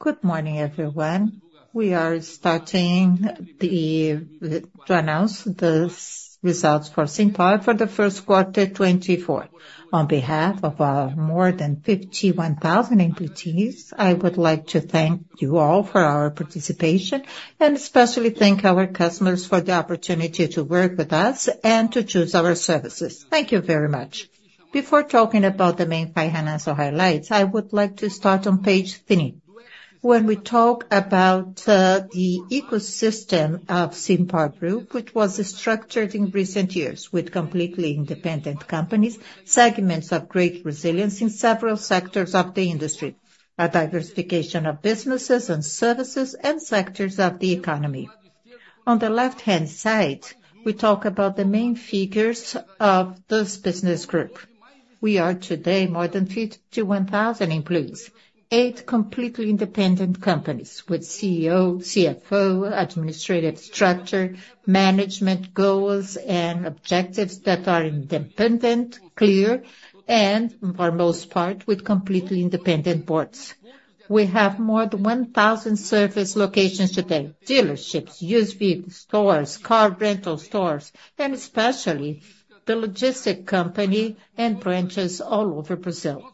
Good morning, everyone. We are starting the run-out, the results for Simpar for the first quarter 2024. On behalf of our more than 51,000 employees, I would like to thank you all for our participation, and especially thank our customers for the opportunity to work with us and to choose our services. Thank you very much. Before talking about the main finance highlights, I would like to start on page 3. When we talk about the ecosystem of Simpar Group, which was structured in recent years with completely independent companies, segments of great resilience in several sectors of the industry, a diversification of businesses and services, and sectors of the economy. On the left-hand side, we talk about the main figures of this business group. We are today more than 51,000 employees, eight completely independent companies with CEO, CFO, administrative structure, management goals, and objectives that are independent, clear, and for the most part with completely independent boards. We have more than 1,000 service locations today: dealerships, used vehicle stores, car rental stores, and especially the logistics company and branches all over Brazil.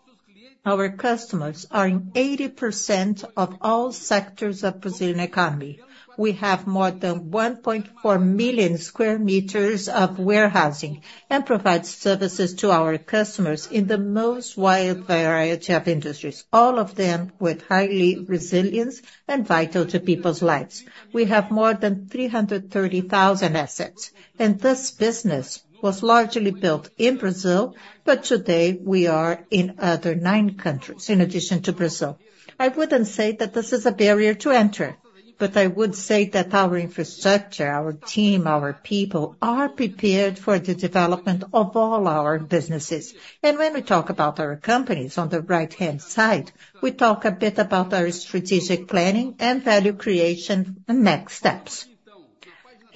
Our customers are in 80% of all sectors of the Brazilian economy. We have more than 1.4 million square meters of warehousing and provide services to our customers in the most wide variety of industries, all of them with high resilience and vital to people's lives. We have more than 330,000 assets, and this business was largely built in Brazil, but today we are in other nine countries in addition to Brazil. I wouldn't say that this is a barrier to enter, but I would say that our infrastructure, our team, our people are prepared for the development of all our businesses. When we talk about our companies, on the right-hand side, we talk a bit about our strategic planning and value creation next steps.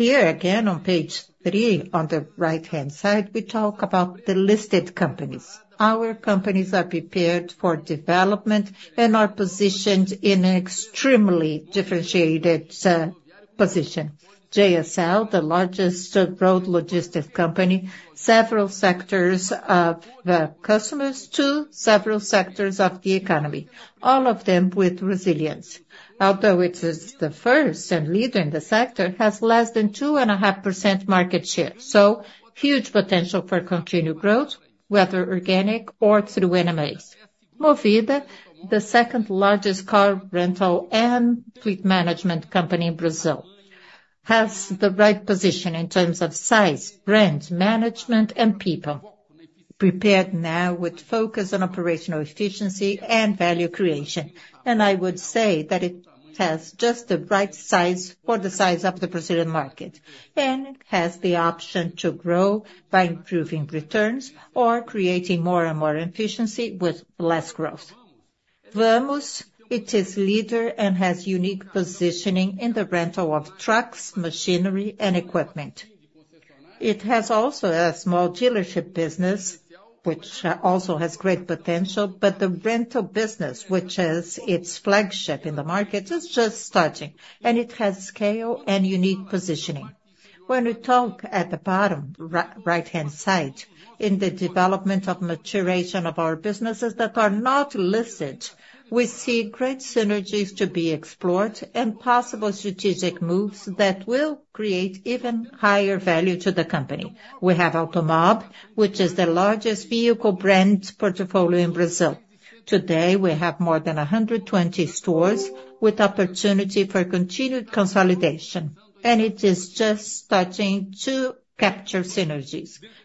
Here again, on page 3, on the right-hand side, we talk about the listed companies. Our companies are prepared for development and are positioned in an extremely differentiated position: JSL, the largest road logistics company, several sectors of customers to several sectors of the economy, all of them with resilience. Although it is the first and leader in the sector, it has less than 2.5% market share, so huge potential for continued growth, whether organic or through M&As. Movida, the second largest car rental and fleet management company in Brazil, has the right position in terms of size, brand, management, and people, prepared now with focus on operational efficiency and value creation. And I would say that it has just the right size for the size of the Brazilian market, and it has the option to grow by improving returns or creating more and more efficiency with less growth. Vamos, it is leader and has unique positioning in the rental of trucks, machinery, and equipment. It has also a small dealership business, which also has great potential, but the rental business, which is its flagship in the market, is just starting, and it has scale and unique positioning. When we talk at the bottom, right-hand side, in the development of maturation of our businesses that are not listed, we see great synergies to be explored and possible strategic moves that will create even higher value to the company. We have Automob, which is the largest vehicle brand portfolio in Brazil. Today we have more than 120 stores with opportunity for continued consolidation, and it is just starting to capture synergies.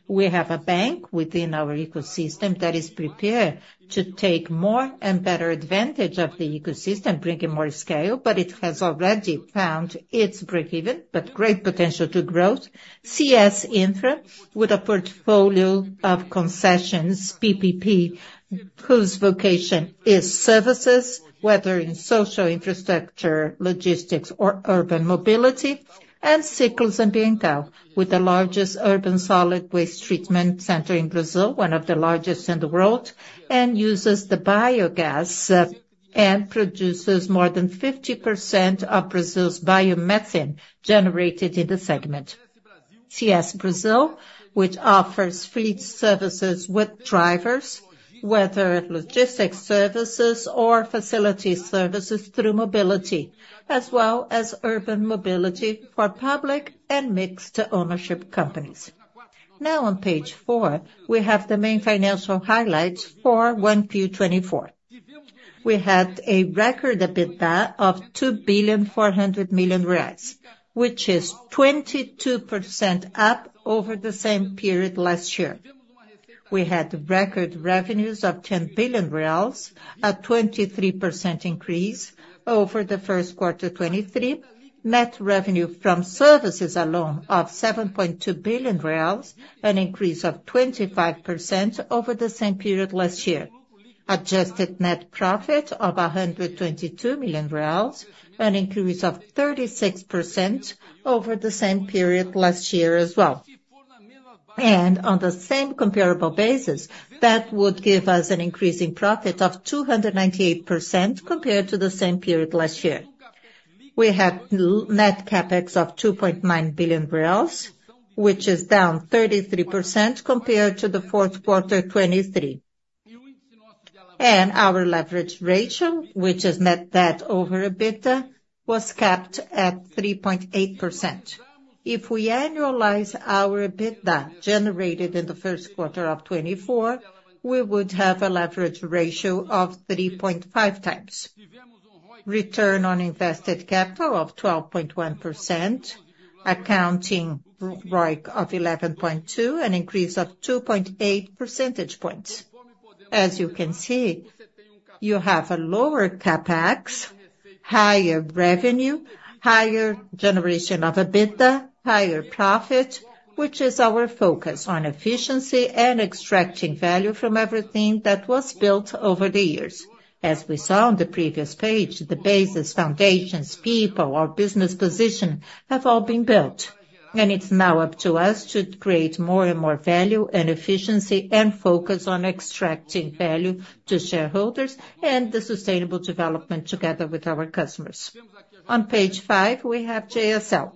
We have a bank within our ecosystem that is prepared to take more and better advantage of the ecosystem, bringing more scale, but it has already found its break-even, but great potential to growth. CS Infra, with a portfolio of concessions, PPP, whose vocation is services, whether in social infrastructure, logistics, or urban mobility, and Ciclus Ambiental, with the largest urban solid waste treatment center in Brazil, one of the largest in the world, and uses the biogas and produces more than 50% of Brazil's biomethane generated in the segment. CS Brasil, which offers fleet services with drivers, whether logistics services or facility services through mobility, as well as urban mobility for public and mixed-ownership companies. Now on page 4, we have the main financial highlights for 1Q24. We had a record EBITDA of 2.4 billion reais, which is 22% up over the same period last year. We had record revenues of 10 billion reais, a 23% increase over the first quarter 2023, net revenue from services alone of 7.2 billion reais, an increase of 25% over the same period last year, adjusted net profit of 122 million reais, an increase of 36% over the same period last year as well. On the same comparable basis, that would give us an increasing profit of 298% compared to the same period last year. We had net CapEx of 2.9 billion reais, which is down 33% compared to the fourth quarter 2023. Our leverage ratio, which is net debt over EBITDA, was kept at 3.8%. If we annualize our EBITDA generated in the first quarter of 2024, we would have a leverage ratio of 3.5 times, return on invested capital of 12.1%, accounting ROIC of 11.2%, an increase of 2.8 percentage points. As you can see, you have a lower CapEx, higher revenue, higher generation of EBITDA, higher profit, which is our focus on efficiency and extracting value from everything that was built over the years. As we saw on the previous page, the basis, foundations, people, our business position have all been built, and it's now up to us to create more and more value and efficiency and focus on extracting value to shareholders and the sustainable development together with our customers. On page 5, we have JSL.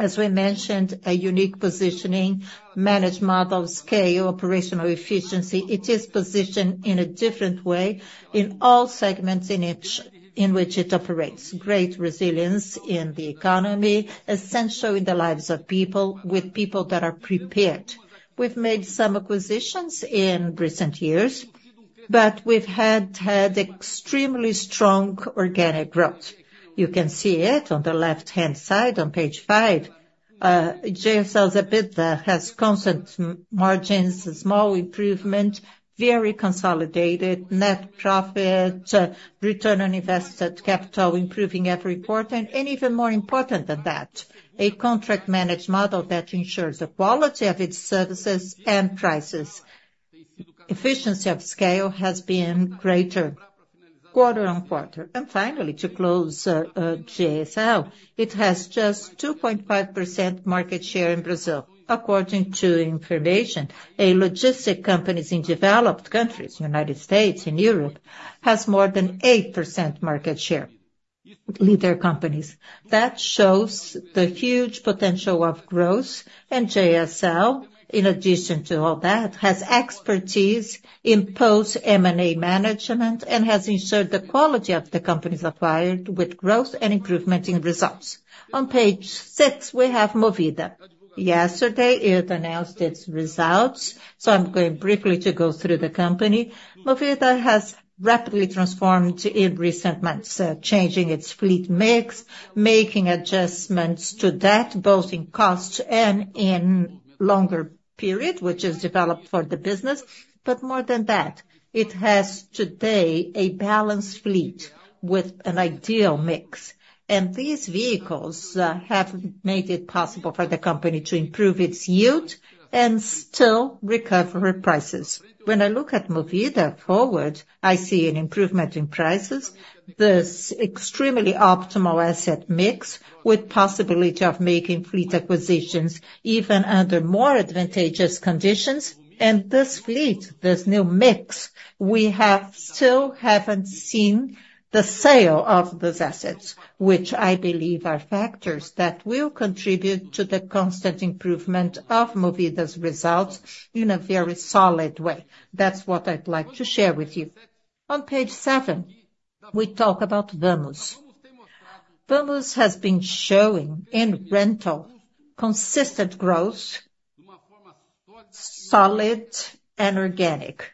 As we mentioned, a unique positioning, managed model, scale, operational efficiency. It is positioned in a different way in all segments in which it operates, great resilience in the economy, essential in the lives of people, with people that are prepared. We've made some acquisitions in recent years, but we've had extremely strong organic growth. You can see it on the left-hand side on page 5. JSL's EBITDA has constant margins, small improvement, very consolidated, net profit, return on invested capital, improving every quarter, and even more important than that, a contract-managed model that ensures the quality of its services and prices. Efficiency of scale has been greater quarter-over-quarter. Finally, to close JSL, it has just 2.5% market share in Brazil. According to information, a logistics companies in developed countries, United States, and Europe, has more than 8% market share, leader companies. That shows the huge potential of growth, and JSL, in addition to all that, has expertise in post-M&A management and has ensured the quality of the companies acquired with growth and improvement in results. On page 6, we have Movida. Yesterday, it announced its results, so I'm going briefly to go through the company. Movida has rapidly transformed in recent months, changing its fleet mix, making adjustments to that both in cost and in longer period, which is developed for the business. But more than that, it has today a balanced fleet with an ideal mix, and these vehicles have made it possible for the company to improve its yield and still recover prices. When I look at Movida forward, I see an improvement in prices, this extremely optimal asset mix with possibility of making fleet acquisitions even under more advantageous conditions. And this fleet, this new mix, we still haven't seen the sale of those assets, which I believe are factors that will contribute to the constant improvement of Movida's results in a very solid way. That's what I'd like to share with you. On page 7, we talk about Vamos. Vamos has been showing in rental consistent growth, solid and organic,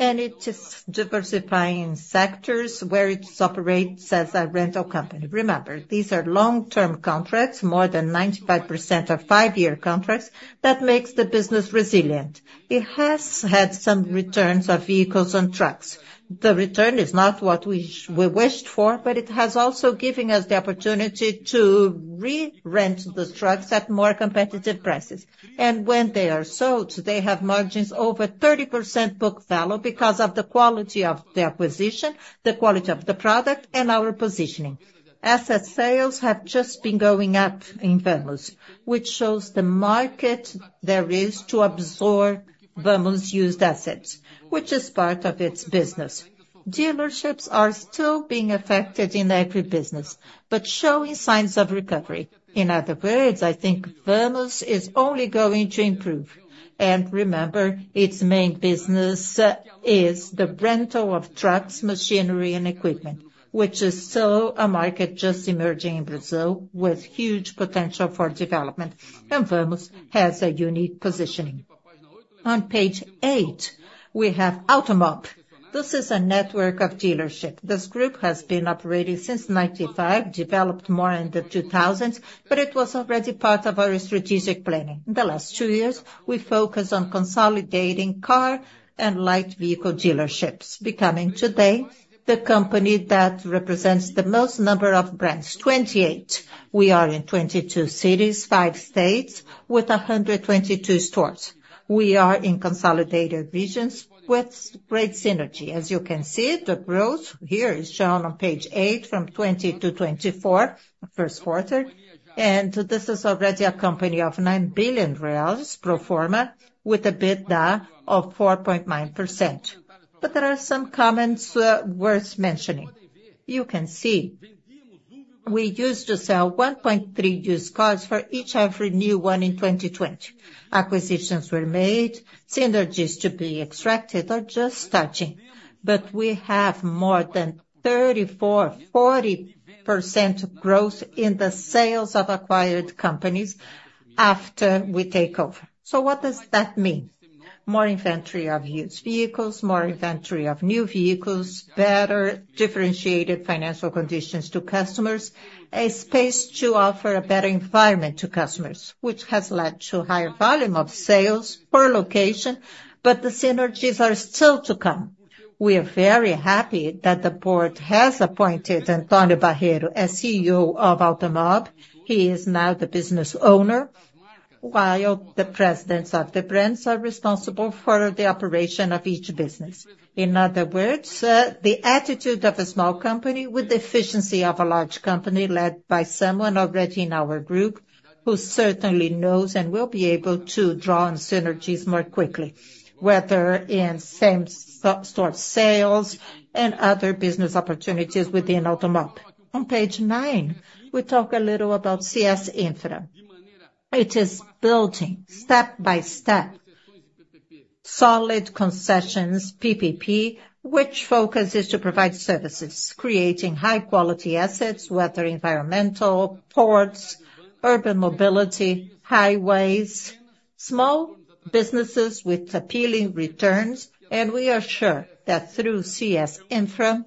and it is diversifying sectors where it operates as a rental company. Remember, these are long-term contracts, more than 95% of five-year contracts. That makes the business resilient. It has had some returns of vehicles and trucks. The return is not what we wished for, but it has also given us the opportunity to re-rent the trucks at more competitive prices. And when they are sold, they have margins over 30% book value because of the quality of the acquisition, the quality of the product, and our positioning. Asset sales have just been going up in Vamos, which shows the market there is to absorb Vamos' used assets, which is part of its business. Dealerships are still being affected in every business, but showing signs of recovery. In other words, I think Vamos is only going to improve. And remember, its main business is the rental of trucks, machinery, and equipment, which is still a market just emerging in Brazil with huge potential for development, and Vamos has a unique positioning. On page 8, we have Automob. This is a network of dealerships. This group has been operating since 1995, developed more in the 2000s, but it was already part of our strategic planning. In the last two years, we focus on consolidating car and light vehicle dealerships, becoming today the company that represents the most number of brands, 28. We are in 22 cities, five states, with 122 stores. We are in consolidated regions with great synergy. As you can see, the growth here is shown on page 8 from 2020 to 2024, first quarter, and this is already a company of 9 billion reais, pro forma, with an EBITDA of 4.9%. But there are some comments worth mentioning. You can see we used to sell 1.3 used cars for each every new one in 2020. Acquisitions were made. Synergies to be extracted are just starting, but we have more than 34%, 40% growth in the sales of acquired companies after we take over. So what does that mean? More inventory of used vehicles, more inventory of new vehicles, better differentiated financial conditions to customers, a space to offer a better environment to customers, which has led to higher volume of sales per location. But the synergies are still to come. We are very happy that the board has appointed Antônio Barreto as CEO of Automob. He is now the business owner, while the presidents of the brands are responsible for the operation of each business. In other words, the attitude of a small company with the efficiency of a large company led by someone already in our group who certainly knows and will be able to draw on synergies more quickly, whether in same-store sales and other business opportunities within Automob. On page 9, we talk a little about CS Infra. It is building step by step, solid concessions, PPP, which focus is to provide services, creating high-quality assets, whether environmental, ports, urban mobility, highways, small businesses with appealing returns. And we are sure that through CS Infra,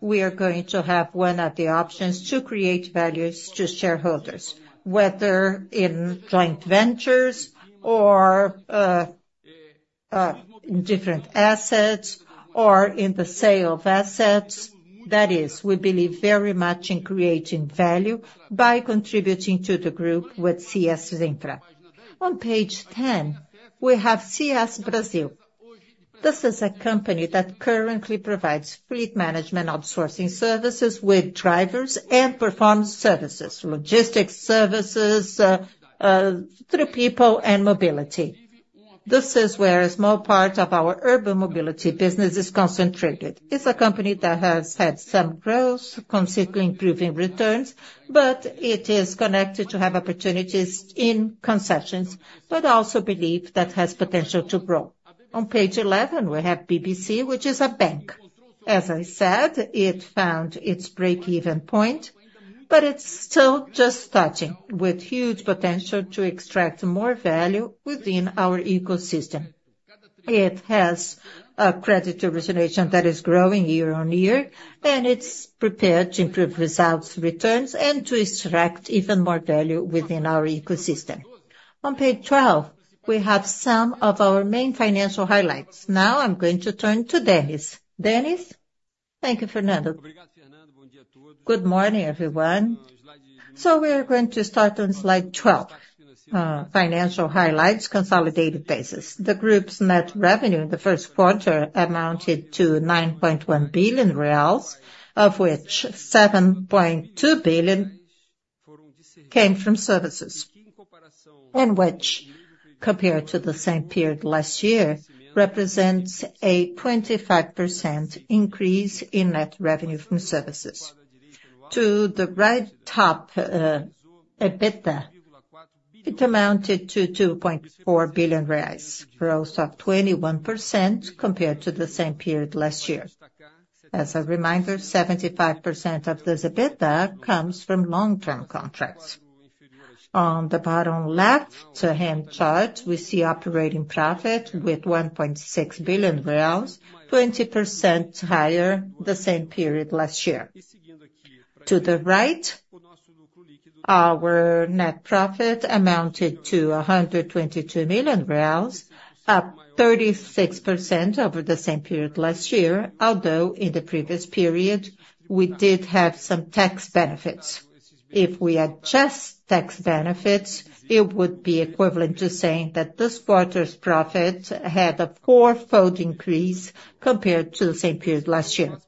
we are going to have one of the options to create value to shareholders, whether in joint ventures or in different assets or in the sale of assets. That is, we believe very much in creating value by contributing to the group with CS Infra. On page 10, we have CS Brasil. This is a company that currently provides fleet management outsourcing services with drivers and performs services, logistics services through people and mobility. This is where a small part of our urban mobility business is concentrated. It's a company that has had some growth, considering improving returns, but it is connected to have opportunities in concessions, but also believe that has potential to grow. On page 11, we have BBC, which is a bank. As I said, it found its break-even point, but it's still just starting with huge potential to extract more value within our ecosystem. It has a credit origination that is growing year-on-year, and it's prepared to improve results, returns, and to extract even more value within our ecosystem. On page 12, we have some of our main financial highlights. Now I'm going to turn to Denys. Denys, Thank you, Fernando. Good morning, everyone. So we are going to start on slide 12, financial highlights, consolidated basis. The group's net revenue in the first quarter amounted to 9.1 billion reais, of which 7.2 billion came from services, in which, compared to the same period last year, represents a 25% increase in net revenue from services. To the right top EBITDA, it amounted to 2.4 billion reais, growth of 21% compared to the same period last year. As a reminder, 75% of this EBITDA comes from long-term contracts. On the bottom left-hand chart, we see operating profit with BRL 1.6 billion, 20% higher the same period last year. To the right, our net profit amounted to BRL 122 million, up 36% over the same period last year, although in the previous period, we did have some tax benefits. If we adjust tax benefits, it would be equivalent to saying that this quarter's profit had a four-fold increase compared to the same period last year.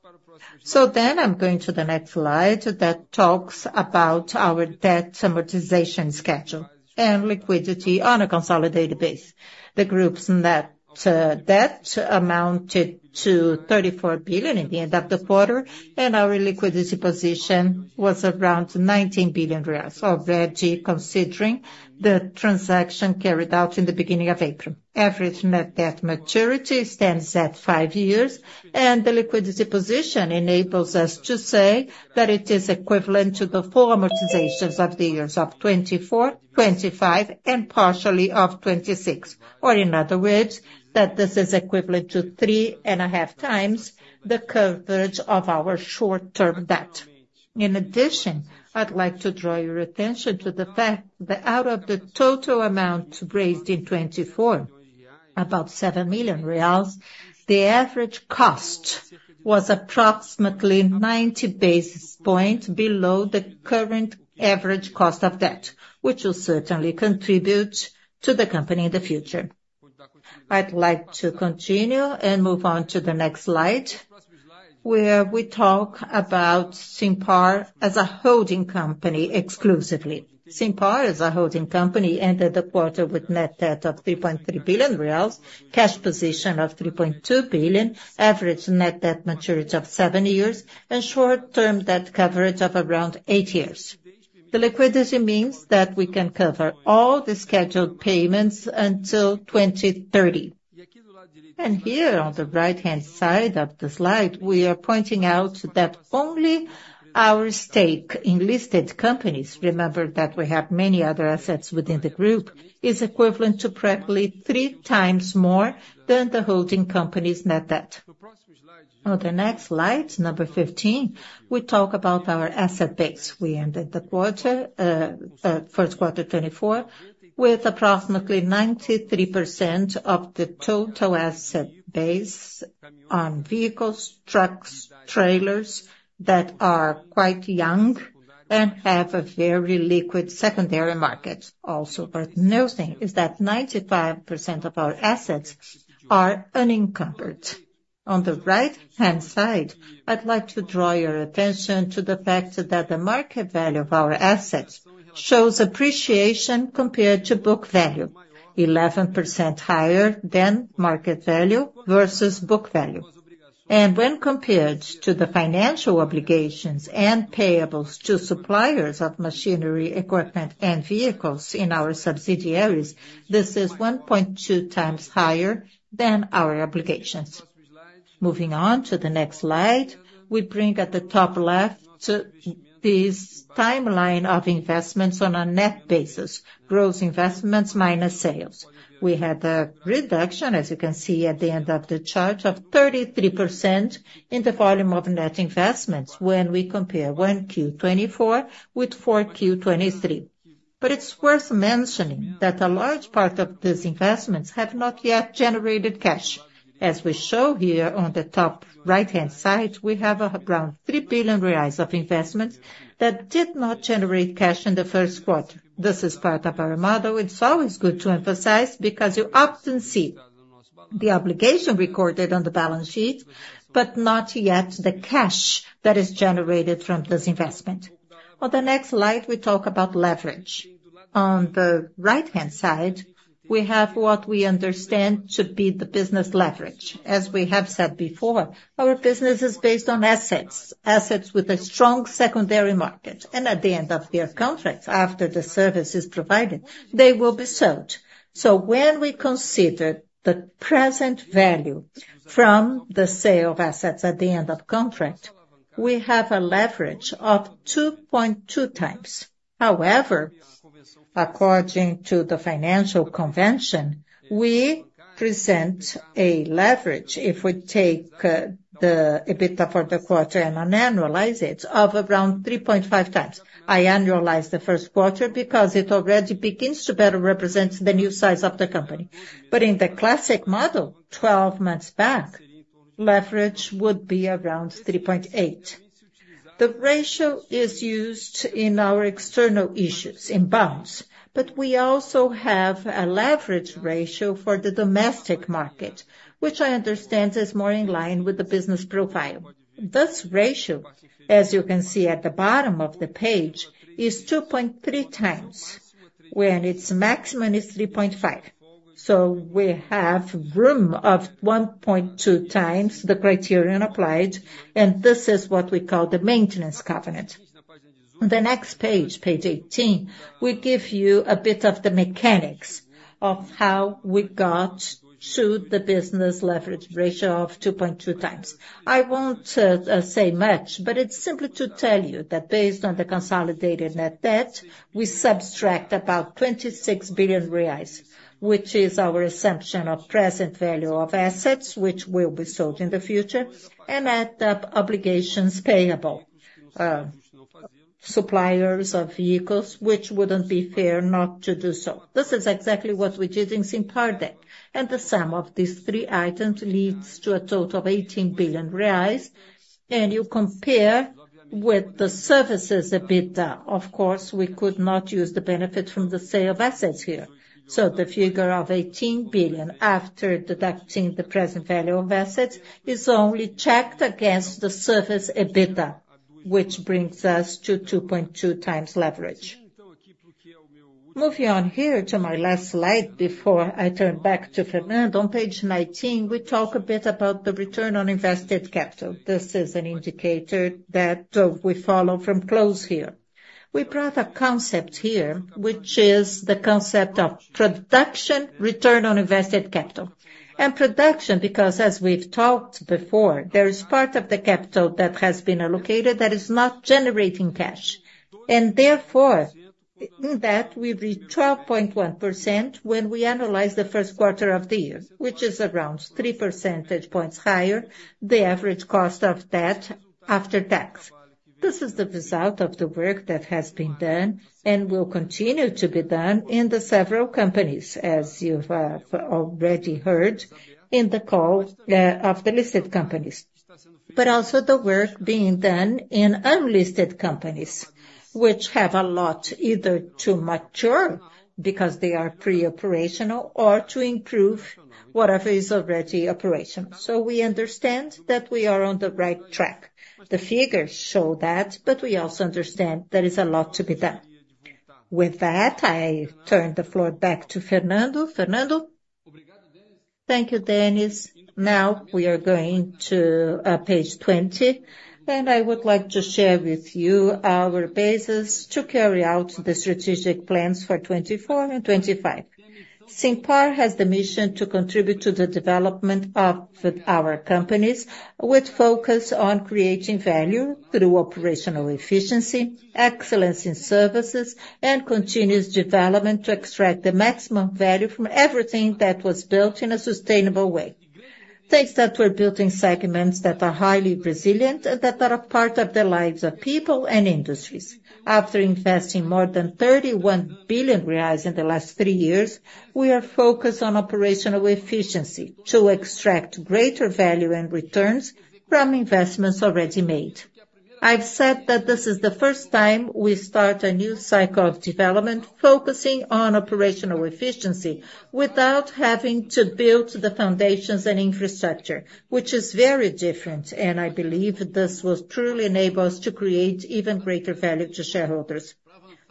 So then I'm going to the next slide that talks about our debt amortization schedule and liquidity on a consolidated basis. The group's net debt amounted to 34 billion at the end of the quarter, and our liquidity position was around 19 billion reais, already considering the transaction carried out in the beginning of April. Average net debt maturity stands at five years, and the liquidity position enables us to say that it is equivalent to the full amortizations of the years of 2024, 2025, and partially of 2026, or in other words, that this is equivalent to three and a half times the coverage of our short-term debt. In addition, I'd like to draw your attention to the fact that out of the total amount raised in 2024, about 7 billion reais, the average cost was approximately 90 basis points below the current average cost of debt, which will certainly contribute to the company in the future. I'd like to continue and move on to the next slide where we talk about Simpar as a holding company exclusively. Simpar as a holding company ended the quarter with net debt of 3.3 billion reais, cash position of 3.2 billion, average net debt maturity of seven years, and short-term debt coverage of around eight years. The liquidity means that we can cover all the scheduled payments until 2030. Here on the right-hand side of the slide, we are pointing out that only our stake in listed companies, remember that we have many other assets within the group, is equivalent to probably three times more than the holding company's net debt. On the next slide, number 15, we talk about our asset base. We ended the quarter, first quarter 2024, with approximately 93% of the total asset base on vehicles, trucks, trailers that are quite young and have a very liquid secondary market. Also, worth noting is that 95% of our assets are unencumbered. On the right-hand side, I'd like to draw your attention to the fact that the market value of our assets shows appreciation compared to book value, 11% higher than market value versus book value. And when compared to the financial obligations and payables to suppliers of machinery, equipment, and vehicles in our subsidiaries, this is 1.2 times higher than our obligations. Moving on to the next slide, we bring at the top left this timeline of investments on a net basis, gross investments minus sales. We had a reduction, as you can see at the end of the chart, of 33% in the volume of net investments when we compare 1Q 2024 with 4Q 2023. But it's worth mentioning that a large part of these investments have not yet generated cash. As we show here on the top right-hand side, we have around 3 billion reais of investments that did not generate cash in the first quarter. This is part of our model. It's always good to emphasize because you often see the obligation recorded on the balance sheet, but not yet the cash that is generated from this investment. On the next slide, we talk about leverage. On the right-hand side, we have what we understand to be the business leverage. As we have said before, our business is based on assets, assets with a strong secondary market, and at the end of their contracts, after the service is provided, they will be sold. So when we consider the present value from the sale of assets at the end of contract, we have a leverage of 2.2x. However, according to the financial convention, we present a leverage, if we take the EBITDA for the quarter and annualize it, of around 3.5x. I annualize the first quarter because it already begins to better represent the new size of the company. But in the classic model, 12 months back, leverage would be around 3.8. The ratio is used in our external issues, in bonds, but we also have a leverage ratio for the domestic market, which I understand is more in line with the business profile. This ratio, as you can see at the bottom of the page, is 2.3 times when its maximum is 3.5. So we have room of 1.2 times the criterion applied, and this is what we call the maintenance covenant. On the next page, page 18, we give you a bit of the mechanics of how we got to the business leverage ratio of 2.2 times. I won't say much, but it's simply to tell you that based on the consolidated net debt, we subtract about 26 billion reais, which is our assumption of present value of assets, which will be sold in the future, and add up obligations payable, suppliers of vehicles, which wouldn't be fair not to do so. This is exactly what we did in Simpar then, and the sum of these three items leads to a total of 18 billion reais, and you compare with the services EBITDA. Of course, we could not use the benefit from the sale of assets here, so the figure of 18 billion after deducting the present value of assets is only checked against the service EBITDA, which brings us to 2.2 times leverage. Moving on here to my last slide before I turn back to Fernando, on page 19, we talk a bit about the return on invested capital. This is an indicator that we follow from close here. We brought a concept here, which is the concept of production return on invested capital. And production because, as we've talked before, there is part of the capital that has been allocated that is not generating cash, and therefore, in that, we reach 12.1% when we analyze the first quarter of the year, which is around three percentage points higher the average cost of debt after tax. This is the result of the work that has been done and will continue to be done in the several companies, as you have already heard in the call of the listed companies, but also the work being done in unlisted companies, which have a lot either to mature because they are pre-operational or to improve whatever is already operational. So we understand that we are on the right track. The figures show that, but we also understand there is a lot to be done. With that, I turn the floor back to Fernando. Fernando? Obrigado, Denys. Thank you, Denys. Now we are going to page 20, and I would like to share with you our basis to carry out the strategic plans for 2024 and 2025. Simpar has the mission to contribute to the development of our companies with focus on creating value through operational efficiency, excellence in services, and continuous development to extract the maximum value from everything that was built in a sustainable way. Thanks that we're building segments that are highly resilient and that are a part of the lives of people and industries. After investing more than 31 billion reais in the last three years, we are focused on operational efficiency to extract greater value and returns from investments already made. I've said that this is the first time we start a new cycle of development focusing on operational efficiency without having to build the foundations and infrastructure, which is very different, and I believe this will truly enable us to create even greater value to shareholders.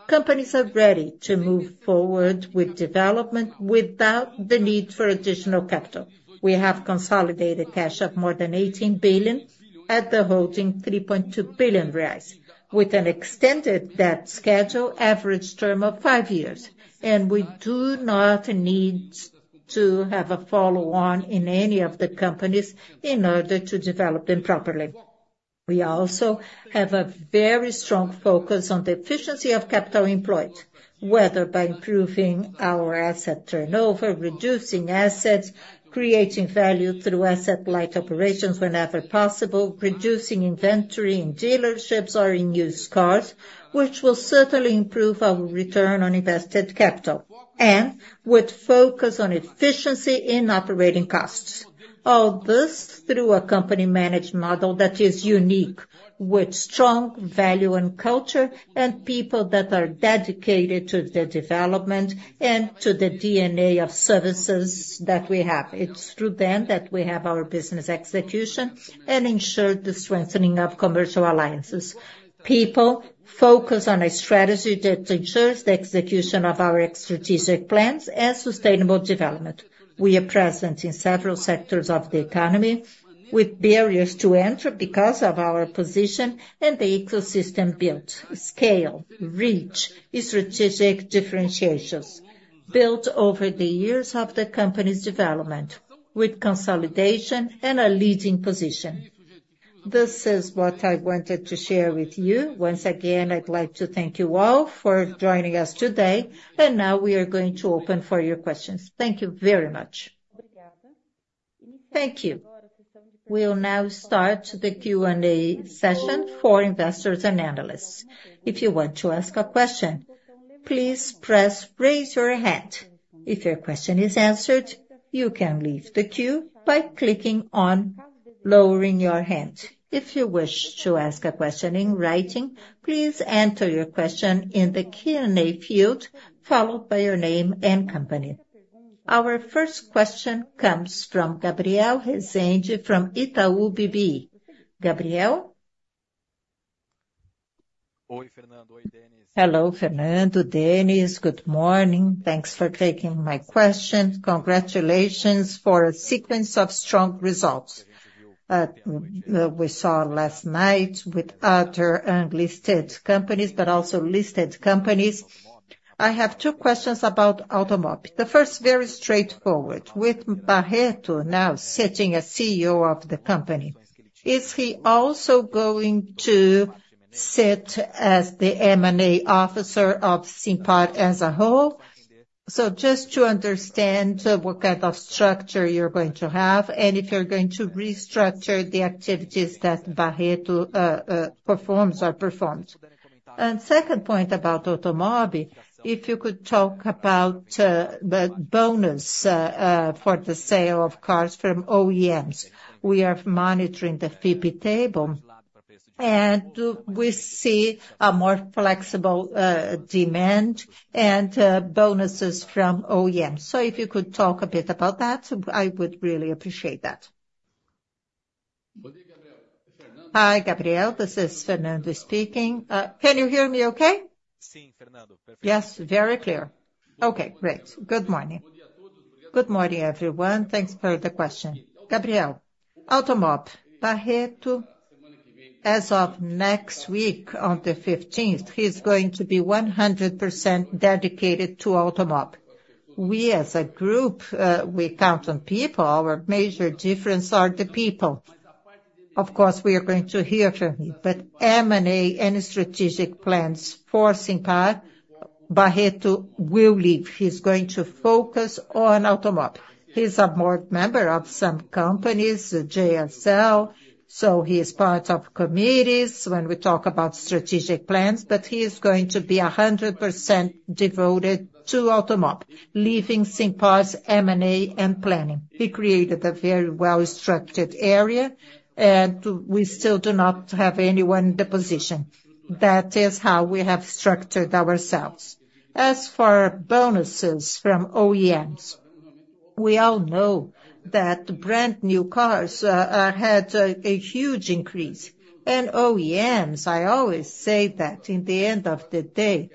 Companies are ready to move forward with development without the need for additional capital. We have consolidated cash of more than 18 billion at the holding 3.2 billion reais with an extended debt schedule, average term of five years, and we do not need to have a follow-on in any of the companies in order to develop them properly. We also have a very strong focus on the efficiency of capital employed, whether by improving our asset turnover, reducing assets, creating value through asset-light operations whenever possible, reducing inventory in dealerships or in used cars, which will certainly improve our return on invested capital, and with focus on efficiency in operating costs. All this through a company-managed model that is unique, with strong value and culture and people that are dedicated to the development and to the DNA of services that we have. It's through them that we have our business execution and ensure the strengthening of commercial alliances. People focus on a strategy that ensures the execution of our strategic plans and sustainable development. We are present in several sectors of the economy with barriers to enter because of our position and the ecosystem built. Scale, reach, strategic differentiations built over the years of the company's development with consolidation and a leading position. This is what I wanted to share with you. Once again, I'd like to thank you all for joining us today, and now we are going to open for your questions. Thank you very much. Thank you. We'll now start the Q&A session for investors and analysts. If you want to ask a question, please press raise your hand. If your question is answered, you can leave the queue by clicking on lowering your hand. If you wish to ask a question in writing, please enter your question in the Q&A field followed by your name and company. Our first question comes from Gabriel Rezende from Itaú BBA. Gabriel? Hello, Fernando. Denys, good morning. Thanks for taking my question. Congratulations for a sequence of strong results we saw last night with other unlisted companies but also listed companies. I have two questions about Automob. The first, very straightforward. With Barreto now sitting as CEO of the company, is he also going to sit as the M&A officer of Simpar as a whole? So just to understand what kind of structure you're going to have and if you're going to restructure the activities that Barreto performs or performed. And second point about Automob, if you could talk about the bonus for the sale of cars from OEMs. We are monitoring the Fipe table, and we see a more flexible demand and bonuses from OEMs. So if you could talk a bit about that, I would really appreciate that. Hi, Gabriel. This is Fernando speaking. Can you hear me okay? Yes, very clear. Okay, great. Good morning. Good morning, everyone. Thanks for the question. Gabriel, Automob, Barreto, as of next week, on the 15th, he's going to be 100% dedicated to Automob. We, as a group, we count on people. Our major difference are the people. Of course, we are going to hear from him, but M&A and strategic plans for Simpar, Barreto will leave. He's going to focus on Automob. He's a board member of some companies, JSL, so he's part of committees when we talk about strategic plans, but he's going to be 100% devoted to Automob, leaving Simpar's M&A and planning. He created a very well-structured area, and we still do not have anyone in the position. That is how we have structured ourselves. As for bonuses from OEMs, we all know that brand new cars had a huge increase, and OEMs, I always say that in the end of the day,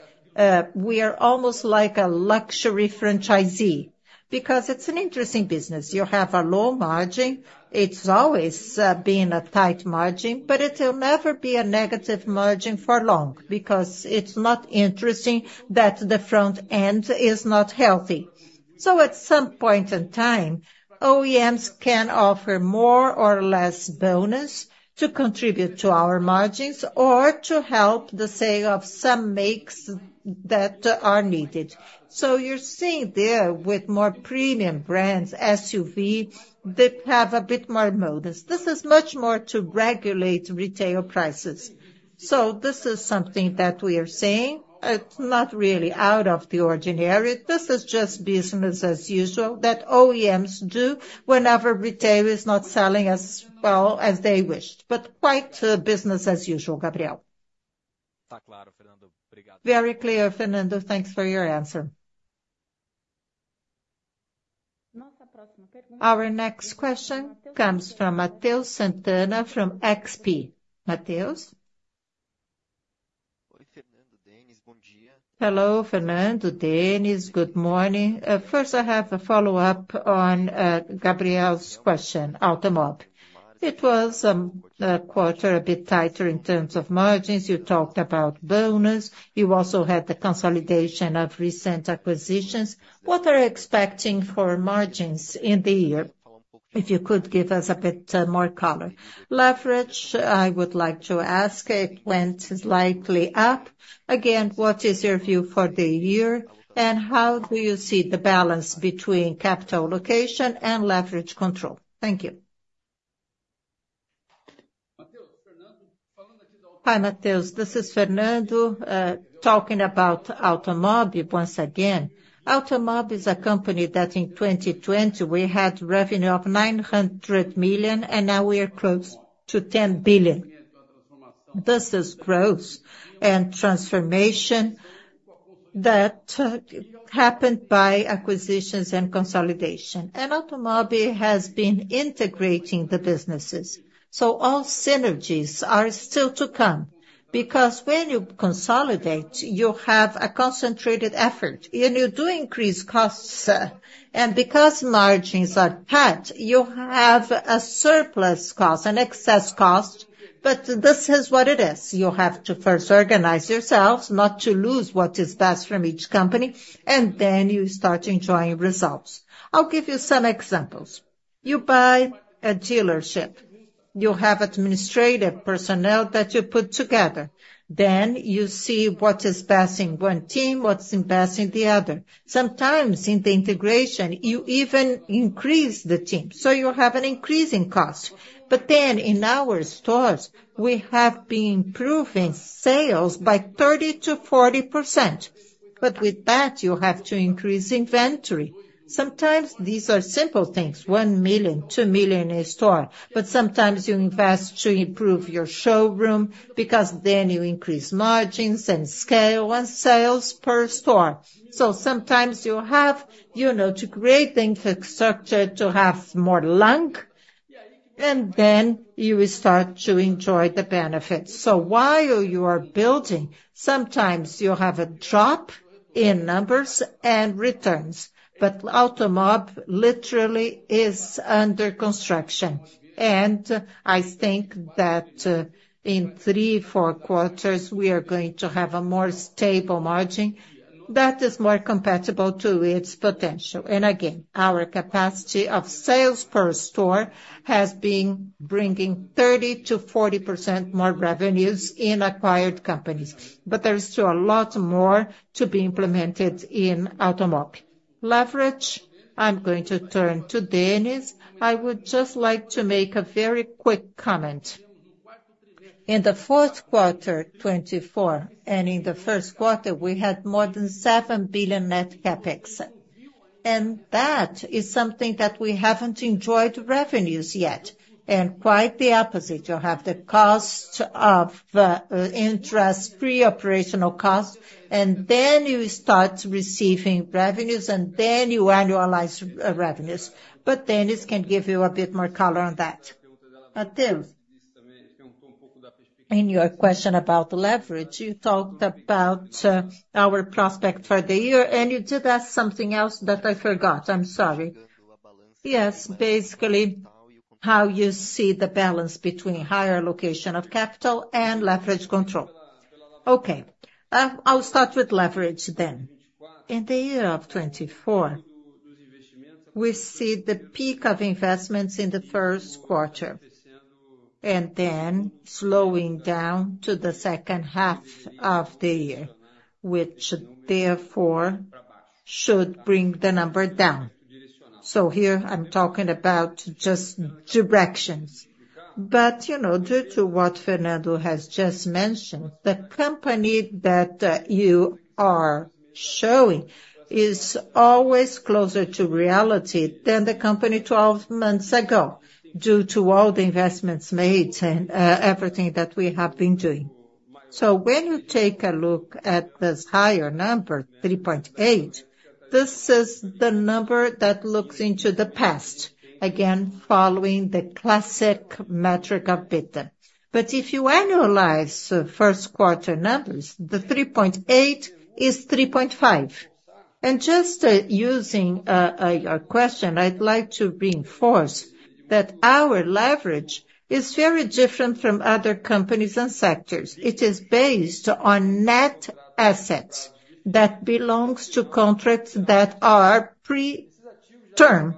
we are almost like a luxury franchisee because it's an interesting business. You have a low margin. It's always been a tight margin, but it'll never be a negative margin for long because it's not interesting that the front end is not healthy. So at some point in time, OEMs can offer more or less bonus to contribute to our margins or to help the sale of some makes that are needed. So you're seeing there with more premium brands, SUV, they have a bit more modus. This is much more to regulate retail prices. So this is something that we are seeing. It's not really out of the ordinary. This is just business as usual that OEMs do whenever retail is not selling as well as they wished, but quite business as usual, Gabriel. Very clear, Fernando. Thanks for your answer. Our next question comes from Matheus Sant'anna from XP. Matheus? Oi, Fernando. Denys. Hello, Fernando. Denys, good morning. First, I have a follow-up on Gabriel's question, Automob. It was a quarter a bit tighter in terms of margins. You talked about bonus. You also had the consolidation of recent acquisitions. What are you expecting for margins in the year? If you could give us a bit more color. Leverage, I would like to ask. It went slightly up. Again, what is your view for the year, and how do you see the balance between capital allocation and leverage control? Thank you. Hi, Matheus. This is Fernando talking about Automob once again. Automob is a company that in 2020 we had revenue of 900 million, and now we are close to 10 billion. This is growth and transformation that happened by acquisitions and consolidation. Automob has been integrating the businesses. So all synergies are still to come because when you consolidate, you have a concentrated effort, and you do increase costs. And because margins are tight, you have a surplus cost, an excess cost, but this is what it is. You have to first organize yourselves, not to lose what is best from each company, and then you start enjoying results. I'll give you some examples. You buy a dealership. You have administrative personnel that you put together. Then you see what is best in one team, what's best in the other. Sometimes in the integration, you even increase the team, so you have an increase in cost. But then in our stores, we have been improving sales by 30%-40%. But with that, you have to increase inventory. Sometimes these are simple things, 1 million, 2 million a store, but sometimes you invest to improve your showroom because then you increase margins and scale and sales per store. So sometimes you have, you know, to create the infrastructure to have more lung, and then you start to enjoy the benefits. So while you are building, sometimes you have a drop in numbers and returns, but Automob literally is under construction. And I think that in 3, 4 quarters, we are going to have a more stable margin that is more compatible to its potential. And again, our capacity of sales per store has been bringing 30%-40% more revenues in acquired companies, but there is still a lot more to be implemented in Automob. Leverage, I'm going to turn to Denys. I would just like to make a very quick comment. In the fourth quarter 2024, and in the first quarter, we had more than 7 billion net CapEx. And that is something that we haven't enjoyed revenues yet, and quite the opposite. You have the cost of interest, pre-operational cost, and then you start receiving revenues, and then you annualize revenues. But Denys can give you a bit more color on that. Matheus? In your question about leverage, you talked about our prospect for the year, and you did ask something else that I forgot. I'm sorry. Yes, basically how you see the balance between higher allocation of capital and leverage control. Okay. I'll start with leverage then. In the year of 2024, we see the peak of investments in the first quarter and then slowing down to the second half of the year, which therefore should bring the number down. So here I'm talking about just directions. But, you know, due to what Fernando has just mentioned, the company that you are showing is always closer to reality than the company 12 months ago due to all the investments made and everything that we have been doing. So when you take a look at this higher number, 3.8, this is the number that looks into the past, again, following the classic metric of EBITDA. But if you annualize first quarter numbers, the 3.8 is 3.5. Just using your question, I'd like to reinforce that our leverage is very different from other companies and sectors. It is based on net assets that belong to contracts that are pre-term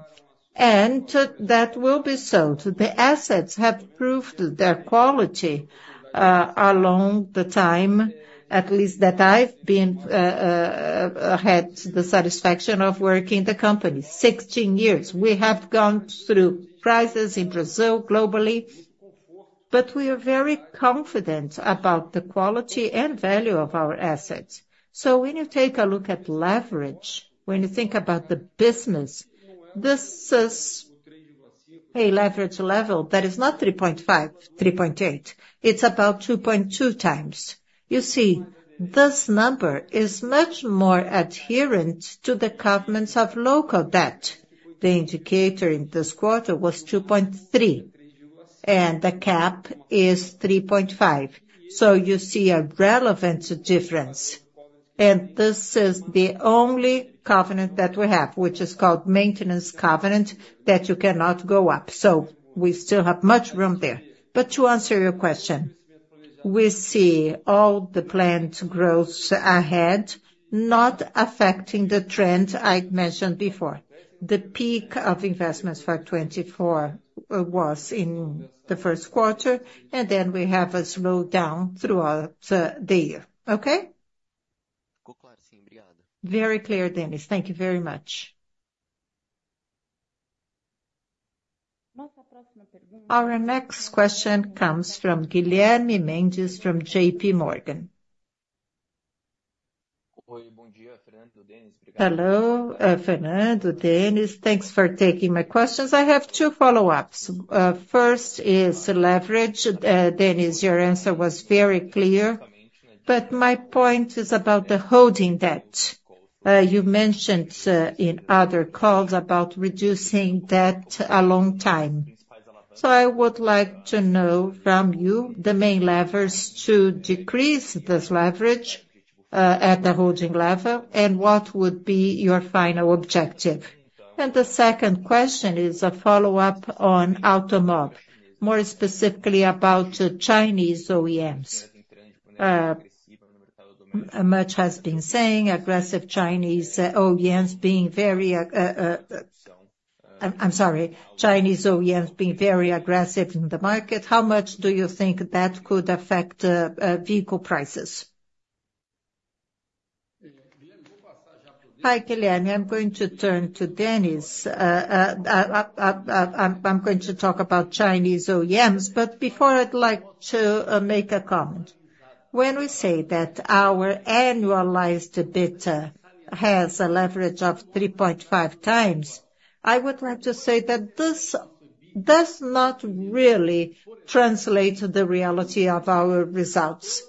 and that will be sold. The assets have proved their quality along the time, at least that I've had the satisfaction of working in the company, 16 years. We have gone through crises in Brazil, globally, but we are very confident about the quality and value of our assets. So when you take a look at leverage, when you think about the business, this is a leverage level that is not 3.5, 3.8. It's about 2.2 times. You see, this number is much more adherent to the covenants of local debt. The indicator in this quarter was 2.3, and the cap is 3.5. So you see a relevant difference. This is the only covenant that we have, which is called maintenance covenant, that you cannot go up. So we still have much room there. But to answer your question, we see all the planned growth ahead not affecting the trend I mentioned before. The peak of investments for 2024 was in the first quarter, and then we have a slowdown throughout the year. Okay? Very clear, Denys. Thank you very much. Our next question comes from Guilherme Mendes from J.P. Morgan. Hello, Fernando. Denys, thanks for taking my questions. I have two follow-ups. First is leverage. Denys, your answer was very clear, but my point is about the holding debt. You mentioned in other calls about reducing debt a long time. So I would like to know from you the main levers to decrease this leverage at the holding level, and what would be your final objective. And the second question is a follow-up on Automob, more specifically about Chinese OEMs. Much has been saying aggressive Chinese OEMs being very—I'm sorry, Chinese OEMs being very aggressive in the market. How much do you think that could affect vehicle prices? Hi, Guilherme. I'm going to turn to Denys. I'm going to talk about Chinese OEMs, but before I'd like to make a comment. When we say that our annualized EBITDA has a leverage of 3.5x, I would like to say that this does not really translate to the reality of our results.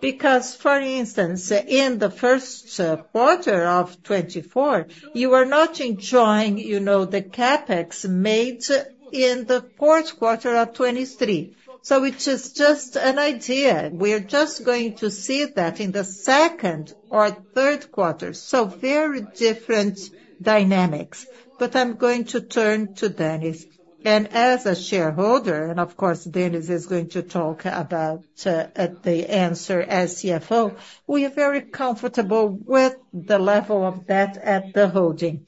Because, for instance, in the first quarter of 2024, you are not enjoying, you know, the CapEx made in the fourth quarter of 2023. So it is just an idea. We are just going to see that in the second or third quarter. So very different dynamics. But I'm going to turn to Denys. And as a shareholder, and of course, Denys is going to talk about the answer as CFO, we are very comfortable with the level of debt at the holding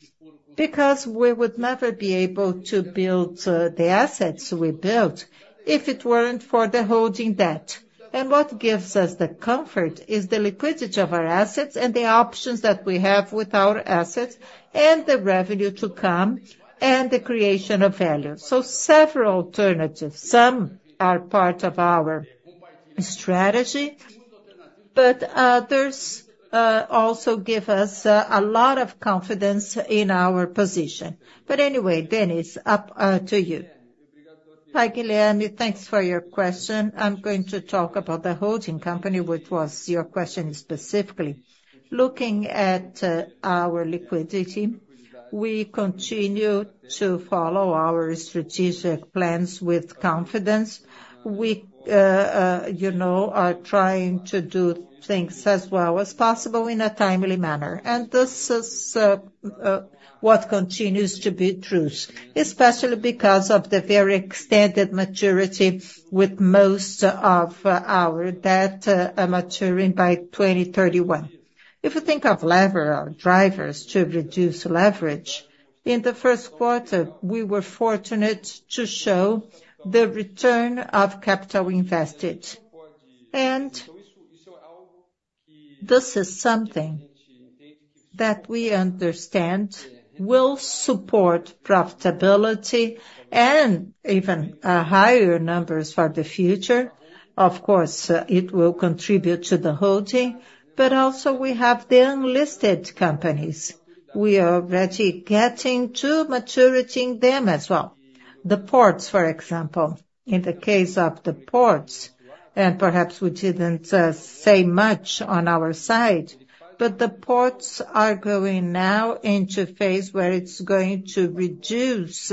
because we would never be able to build the assets we built if it weren't for the holding debt. And what gives us the comfort is the liquidity of our assets and the options that we have with our assets and the revenue to come and the creation of value. So several alternatives. Some are part of our strategy, but others also give us a lot of confidence in our position. But anyway, Denys, up to you. Hi, Guilherme. Thanks for your question. I'm going to talk about the holding company, which was your question specifically. Looking at our liquidity, we continue to follow our strategic plans with confidence. We, you know, are trying to do things as well as possible in a timely manner. And this is what continues to be true, especially because of the very extended maturity with most of our debt maturing by 2031. If you think of leverage, drivers to reduce leverage, in the first quarter, we were fortunate to show the return of capital invested. This is something that we understand will support profitability and even higher numbers for the future. Of course, it will contribute to the holding, but also we have the unlisted companies. We are already getting to maturity in them as well. The ports, for example, in the case of the ports, and perhaps we didn't say much on our side, but the ports are going now into a phase where it's going to reduce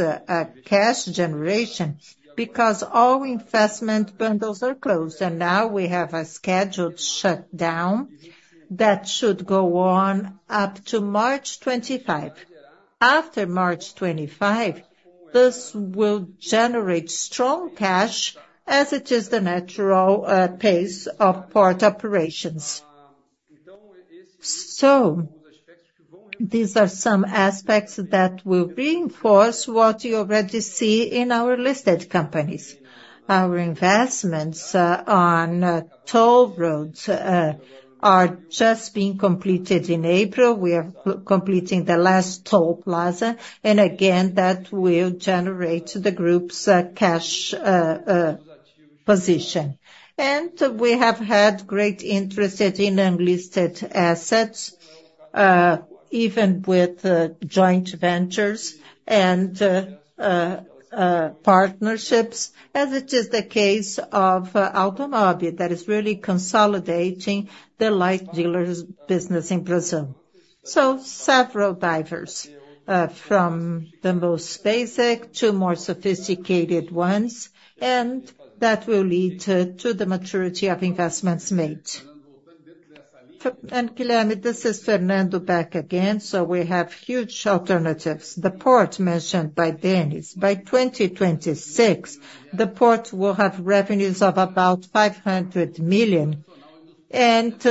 cash generation because all investment bundles are closed, and now we have a scheduled shutdown that should go on up to March 25. After March 25, this will generate strong cash as it is the natural pace of port operations. So these are some aspects that will reinforce what you already see in our listed companies. Our investments on toll roads are just being completed in April. We are completing the last toll plaza, and again, that will generate the group's cash position. And we have had great interest in unlisted assets, even with joint ventures and partnerships, as it is the case of Automob that is really consolidating the light dealer business in Brazil. So several divers, from the most basic to more sophisticated ones, and that will lead to the maturity of investments made. Guilherme, this is Fernando back again, so we have huge alternatives. The port mentioned by Denys, by 2026, the port will have revenues of about 500 million and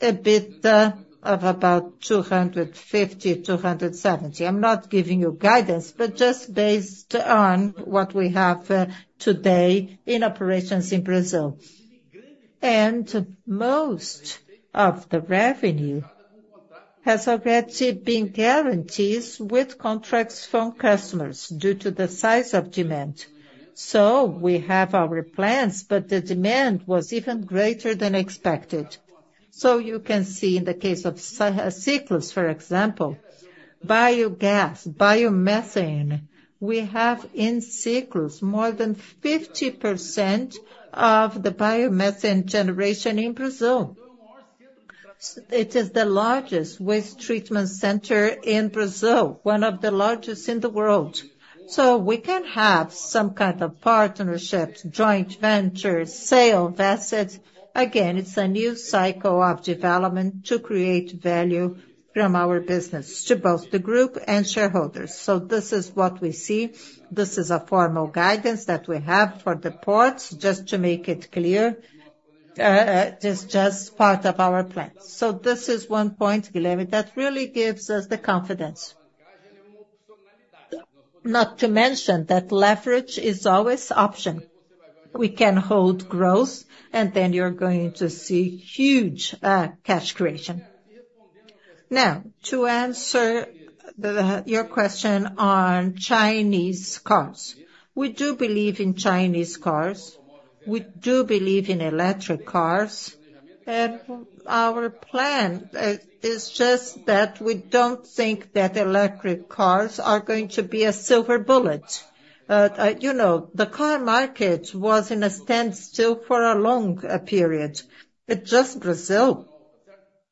a bit of about 250 million, 270 million. I'm not giving you guidance, but just based on what we have today in operations in Brazil. And most of the revenue has already been guaranteed with contracts from customers due to the size of demand. So we have our plans, but the demand was even greater than expected. So you can see in the case of Ciclus, for example, biogas, biomethane, we have in Ciclus more than 50% of the biomethane generation in Brazil. It is the largest waste treatment center in Brazil, one of the largest in the world. So we can have some kind of partnerships, joint ventures, sale of assets. Again, it's a new cycle of development to create value from our business to both the group and shareholders. So this is what we see. This is a formal guidance that we have for the ports, just to make it clear, it's just part of our plan. So this is one point, Guilherme, that really gives us the confidence. Not to mention that leverage is always an option. We can hold growth, and then you're going to see huge cash creation. Now, to answer your question on Chinese cars, we do believe in Chinese cars. We do believe in electric cars. And our plan is just that we don't think that electric cars are going to be a silver bullet. You know, the car market was in a standstill for a long period. It's just Brazil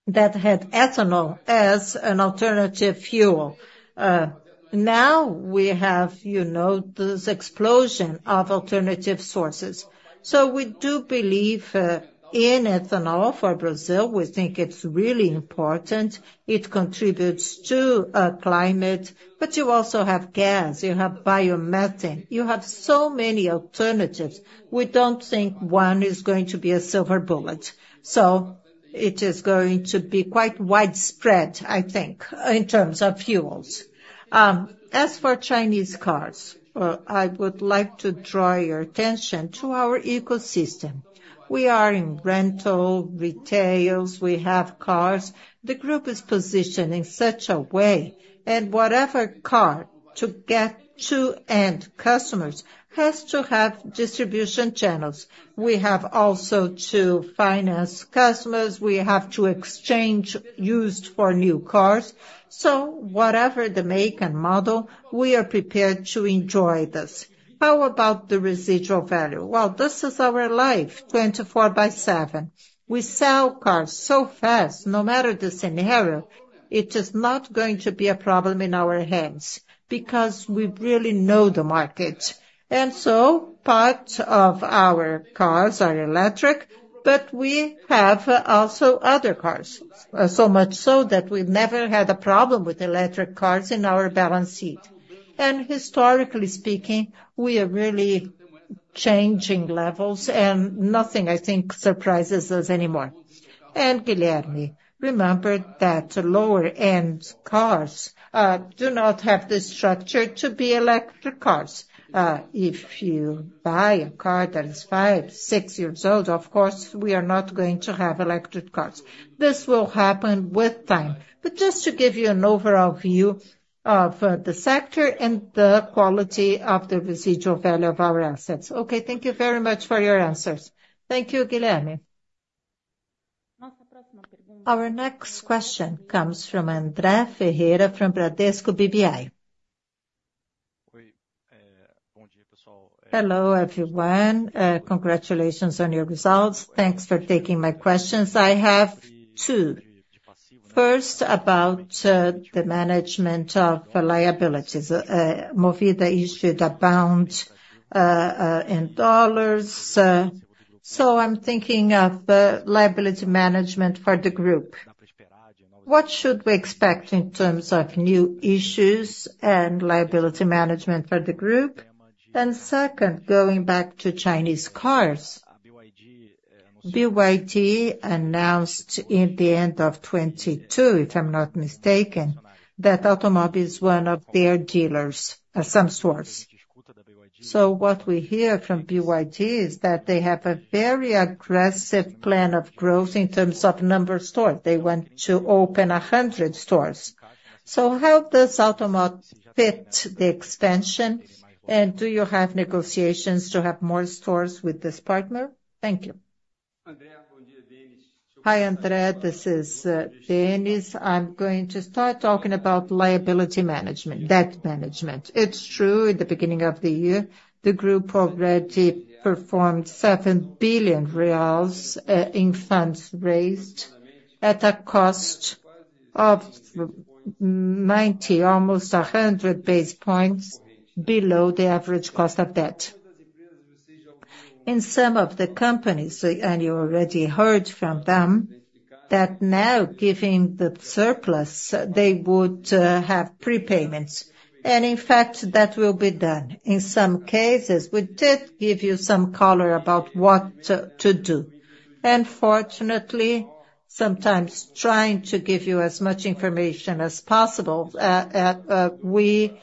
that had ethanol as an alternative fuel. Now we have, you know, this explosion of alternative sources. So we do believe in ethanol for Brazil. We think it's really important. It contributes to climate. But you also have gas. You have biomethane. You have so many alternatives. We don't think one is going to be a silver bullet. So it is going to be quite widespread, I think, in terms of fuels. As for Chinese cars, I would like to draw your attention to our ecosystem. We are in rental, retails. We have cars. The group is positioned in such a way, and whatever car to get to end customers has to have distribution channels. We have also to finance customers. We have to exchange used for new cars. So whatever the make and model, we are prepared to enjoy this. How about the residual value? Well, this is our life, 24 by 7. We sell cars so fast, no matter the scenario. It is not going to be a problem in our hands because we really know the market. And so part of our cars are electric, but we have also other cars, so much so that we never had a problem with electric cars in our balance sheet. And historically speaking, we are really changing levels, and nothing, I think, surprises us anymore. And Guilherme, remember that lower-end cars do not have the structure to be electric cars. If you buy a car that is 5, 6 years old, of course, we are not going to have electric cars. This will happen with time. But just to give you an overall view of the sector and the quality of the residual value of our assets. Okay, thank you very much for your answers. Thank you, Guilherme. Our next question comes from André Ferreira from Bradesco BBI. Hello, everyone. Congratulations on your results. Thanks for taking my questions. I have two. First, about the management of liabilities. Movida issued a bond in dollars. So I'm thinking of liability management for the group. What should we expect in terms of new issues and liability management for the group? And second, going back to Chinese cars, BYD announced in the end of 2022, if I'm not mistaken, that Automob is one of their dealers of some sorts. So what we hear from BYD is that they have a very aggressive plan of growth in terms of number of stores. They want to open 100 stores. So how does Automob fit the expansion? And do you have negotiations to have more stores with this partner? Thank you. Hi, André. This is Denys. I'm going to start talking about liability management, debt management. It's true, in the beginning of the year, the group already performed 7 billion reais in funds raised at a cost of 90, almost 100 basis points below the average cost of debt. In some of the companies, and you already heard from them, that now, given the surplus, they would have prepayments. And in fact, that will be done. In some cases, we did give you some color about what to do. And fortunately, sometimes trying to give you as much information as possible, we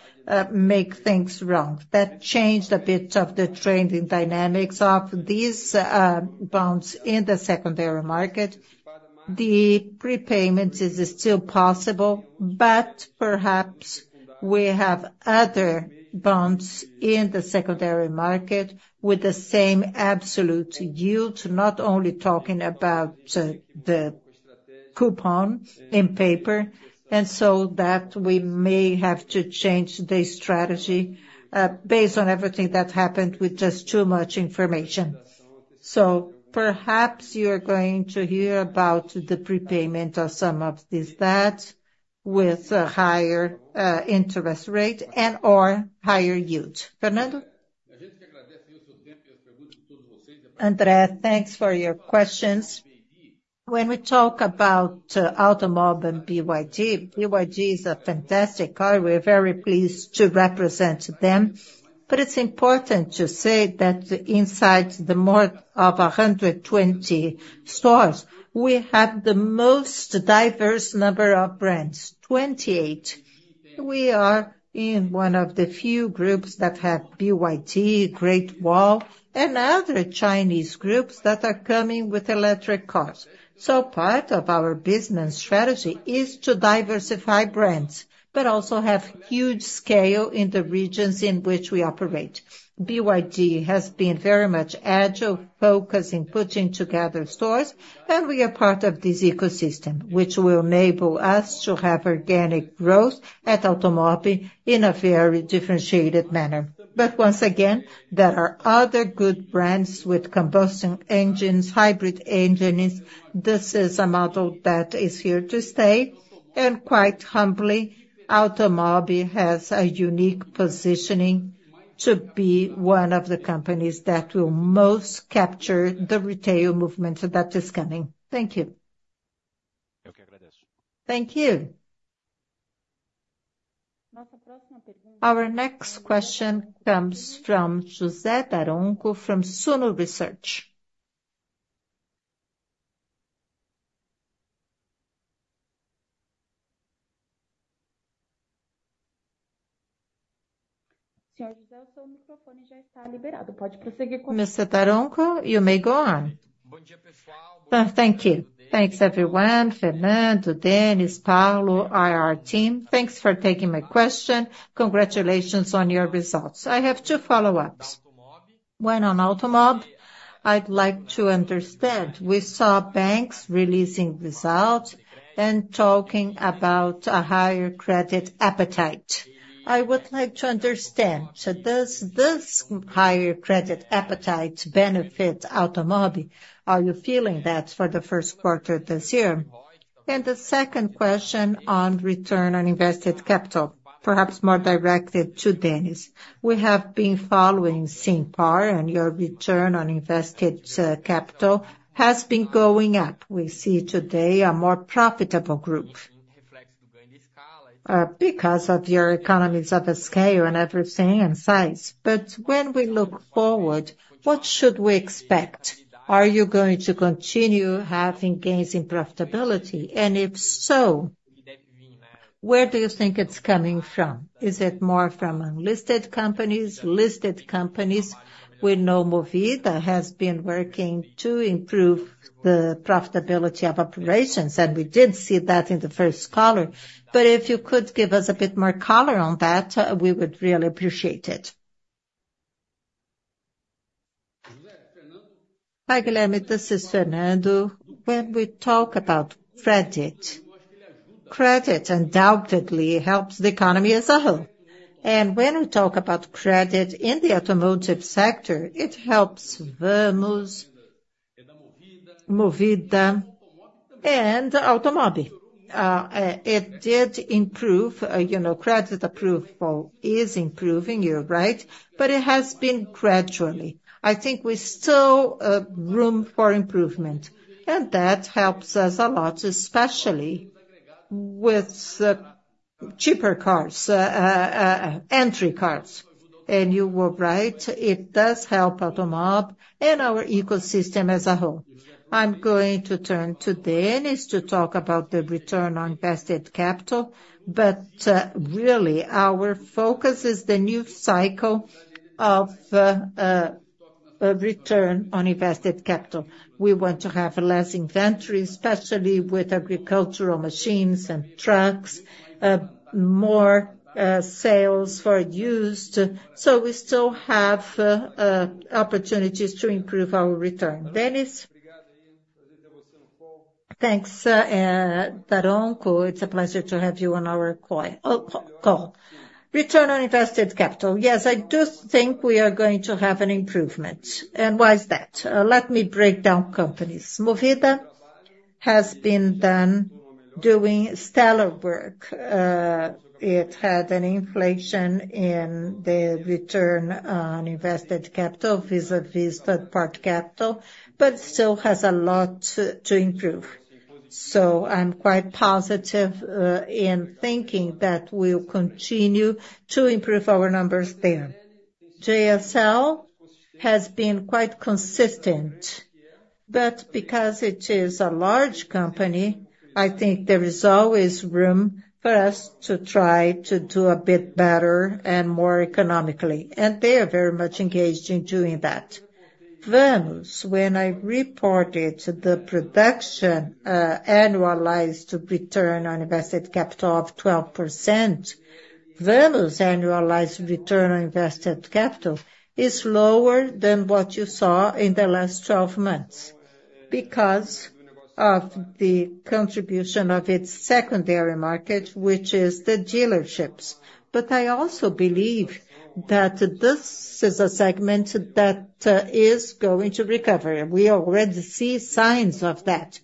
make things wrong. That changed a bit of the trending dynamics of these bonds in the secondary market. The prepayment is still possible, but perhaps we have other bonds in the secondary market with the same absolute yield, not only talking about the coupon in paper, and so that we may have to change the strategy based on everything that happened with just too much information. So perhaps you are going to hear about the prepayment of some of these debts with a higher interest rate and/or higher yield. André, thanks for your questions. When we talk about Automob and BYD, BYD is a fantastic car. We are very pleased to represent them. But it's important to say that inside the more of 120 stores, we have the most diverse number of brands, 28. We are in one of the few groups that have BYD, Great Wall, and other Chinese groups that are coming with electric cars. So part of our business strategy is to diversify brands, but also have huge scale in the regions in which we operate. BYD has been very much agile, focusing on putting together stores, and we are part of this ecosystem, which will enable us to have organic growth at Automob in a very differentiated manner. But once again, there are other good brands with combustion engines, hybrid engines. This is a model that is here to stay. And quite humbly, Automob has a unique positioning to be one of the companies that will most capture the retail movement that is coming. Thank you. Thank you. Our next question comes from José Daronco from Suno Research. Mr. Daronco, you may go on. Thank you. Thanks, everyone. Fernando, Denys, Paulo, our team. Thanks for taking my question. Congratulations on your results. I have two follow-ups. When on Automob, I'd like to understand. We saw banks releasing results and talking about a higher credit appetite. I would like to understand, does this higher credit appetite benefit Automob? Are you feeling that for the first quarter this year? And the second question on return on invested capital, perhaps more directed to Denys. We have been following Simpar, and your return on invested capital has been going up. We see today a more profitable group because of your economies of scale and everything and size. But when we look forward, what should we expect? Are you going to continue having gains in profitability? And if so, where do you think it's coming from? Is it more from unlisted companies, listed companies? We know Movida has been working to improve the profitability of operations, and we did see that in the first caller. But if you could give us a bit more color on that, we would really appreciate it. Hi, Jose. This is Fernando. When we talk about credit, credit undoubtedly helps the economy as a whole. And when we talk about credit in the automotive sector, it helps Vamos, Movida, and Automob. It did improve. Credit approval is improving, you're right, but it has been gradually. I think we still have room for improvement, and that helps us a lot, especially with cheaper cars, entry cars. And you were right. It does help Automob and our ecosystem as a whole. I'm going to turn to Denys to talk about the return on invested capital, but really our focus is the new cycle of return on invested capital. We want to have less inventory, especially with agricultural machines and trucks, more sales for used. So we still have opportunities to improve our return. Denys? Thanks, Daronco. It's a pleasure to have you on our call. Return on invested capital. Yes, I do think we are going to have an improvement. And why is that? Let me break down companies. Movida has been doing stellar work. It had an inflation in the return on invested capital vis-à-vis third-party capital, but still has a lot to improve. So I'm quite positive in thinking that we'll continue to improve our numbers there. JSL has been quite consistent, but because it is a large company, I think there is always room for us to try to do a bit better and more economically. And they are very much engaged in doing that. Vamos, when I reported the projected annualized return on invested capital of 12%, Vamos' annualized return on invested capital is lower than what you saw in the last 12 months because of the contribution of its secondary market, which is the dealerships. But I also believe that this is a segment that is going to recover. We already see signs of that.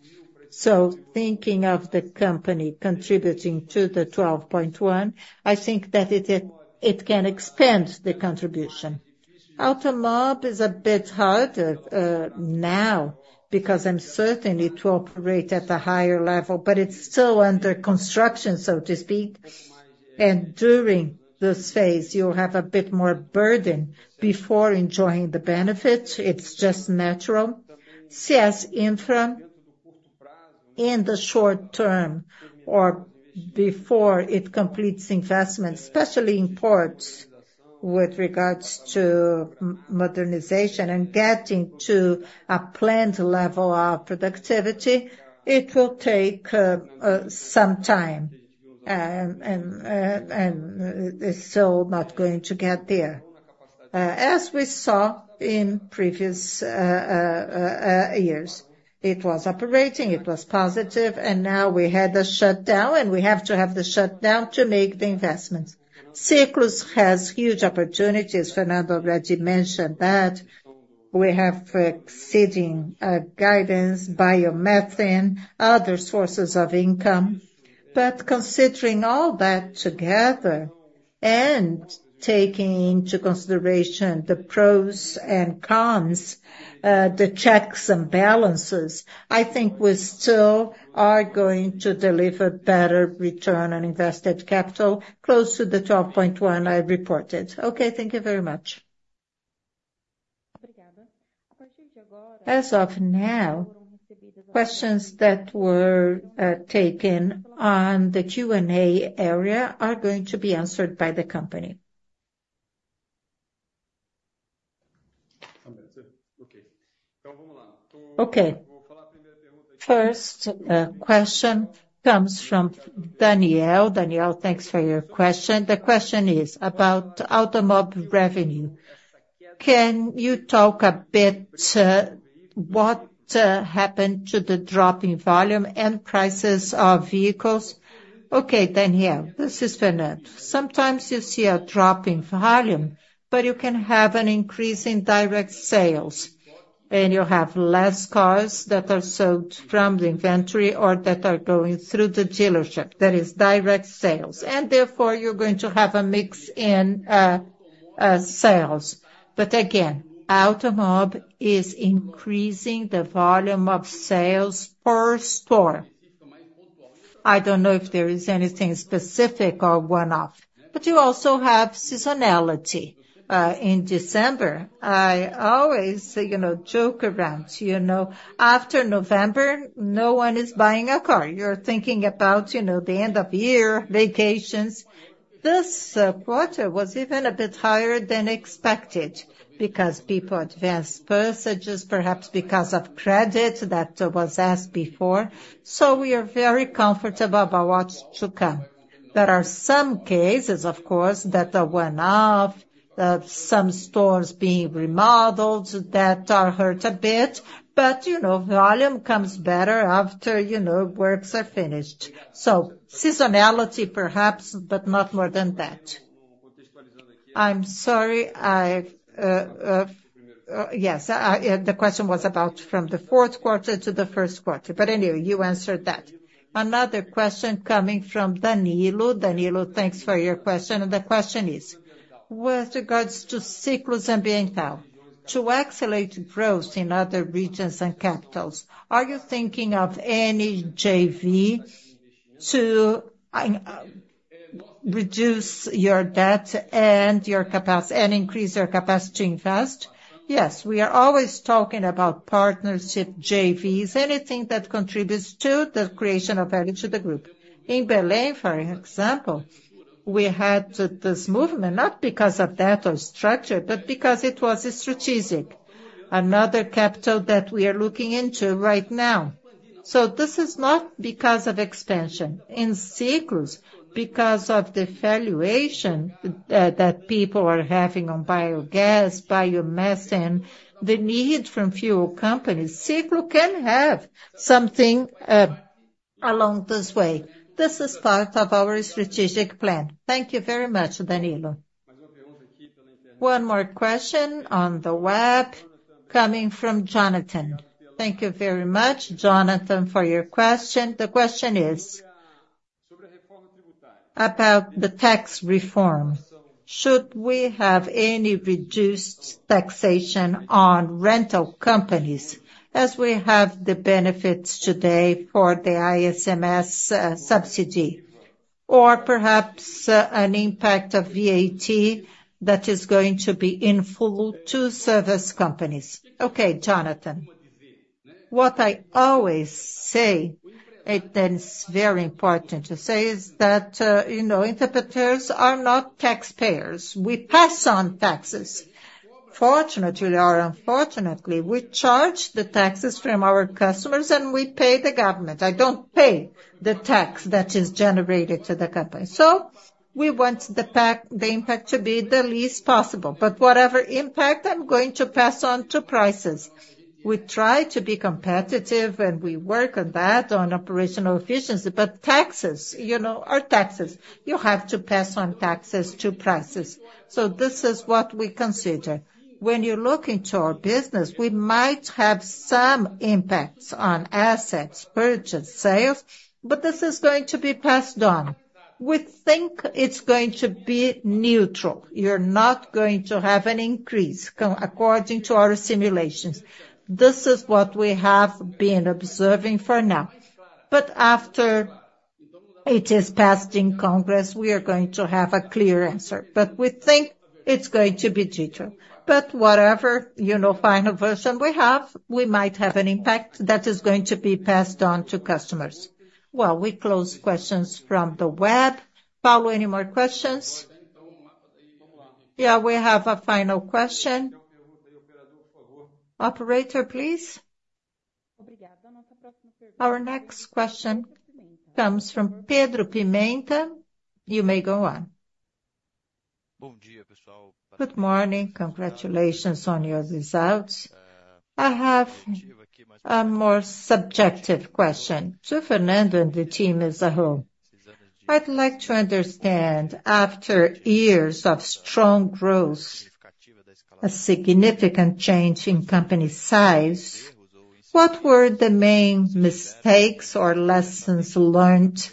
So thinking of the company contributing to the 12.1, I think that it can expand the contribution. Automob is a bit harder now because I'm certain it will operate at a higher level, but it's still under construction, so to speak. And during this phase, you'll have a bit more burden before enjoying the benefits. It's just natural. CS Infra in the short term or before it completes investment, especially in ports with regards to modernization and getting to a planned level of productivity, it will take some time, and it's still not going to get there as we saw in previous years. It was operating. It was positive. And now we had a shutdown, and we have to have the shutdown to make the investments. Ciclus has huge opportunities. Fernando already mentioned that. We have exceeding guidance, biomethane, other sources of income. But considering all that together and taking into consideration the pros and cons, the checks and balances, I think we still are going to deliver better return on invested capital close to the 12.1 I reported. Okay, thank you very much. As of now, questions that were taken on the Q&A area are going to be answered by the company. Okay. First question comes from Daniel. Daniel, thanks for your question. The question is about Automob revenue. Can you talk a bit what happened to the drop in volume and prices of vehicles? Okay, Daniel. This is Fernando. Sometimes you see a drop in volume, but you can have an increase in direct sales, and you'll have less cars that are sold from the inventory or that are going through the dealership. That is direct sales. And therefore, you're going to have a mix in sales. But again, Automob is increasing the volume of sales per store. I don't know if there is anything specific or one-off, but you also have seasonality. In December, I always joke around. After November, no one is buying a car. You're thinking about the end of year, vacations. This quarter was even a bit higher than expected because people advanced purchases, perhaps because of credit that was asked before. We are very comfortable about what's to come. There are some cases, of course, that are one-off, some stores being remodeled that are hurt a bit, but volume comes better after works are finished. Seasonality, perhaps, but not more than that. I'm sorry. Yes, the question was about from the fourth quarter to the first quarter. But anyway, you answered that. Another question coming from Danilo. Danilo, thanks for your question. The question is, with regards to Ciclus Ambiental to accelerate growth in other regions and capitals, are you thinking of any JV to reduce your debt and increase your capacity to invest? Yes, we are always talking about partnership JVs, anything that contributes to the creation of value to the group. In Belém, for example, we had this movement, not because of debt or structure, but because it was strategic, another capital that we are looking into right now. So this is not because of expansion. In Ciclus, because of the valuation that people are having on biogas, biomethane, the need from fuel companies, Ciclus can have something along this way. This is part of our strategic plan. Thank you very much, Danilo. One more question on the web coming from Jonathan. Thank you very much, Jonathan, for your question. The question is about the tax reform. Should we have any reduced taxation on rental companies as we have the benefits today for the ICMS subsidy, or perhaps an impact of VAT that is going to be in full to service companies? Okay, Jonathan. What I always say, and it's very important to say, is that interpreters are not taxpayers. We pass on taxes. Fortunately or unfortunately, we charge the taxes from our customers, and we pay the government. I don't pay the tax that is generated to the company. So we want the impact to be the least possible. But whatever impact, I'm going to pass on to prices. We try to be competitive, and we work on that, on operational efficiency. But taxes, you know, are taxes. You have to pass on taxes to prices. So this is what we consider. When you're looking to our business, we might have some impacts on assets, purchase, sales, but this is going to be passed on. We think it's going to be neutral. You're not going to have an increase according to our simulations. This is what we have been observing for now. But after it is passed in Congress, we are going to have a clear answer. But we think it's going to be neutral. But whatever, you know, final version we have, we might have an impact that is going to be passed on to customers. Well, we close questions from the web. Paulo, any more questions? Yeah, we have a final question. Operator, please. Our next question comes from Pedro Pimenta. You may go on. Good morning. Congratulations on your results. I have a more subjective question to Fernando and the team as a whole. I'd like to understand, after years of strong growth, a significant change in company size, what were the main mistakes or lessons learned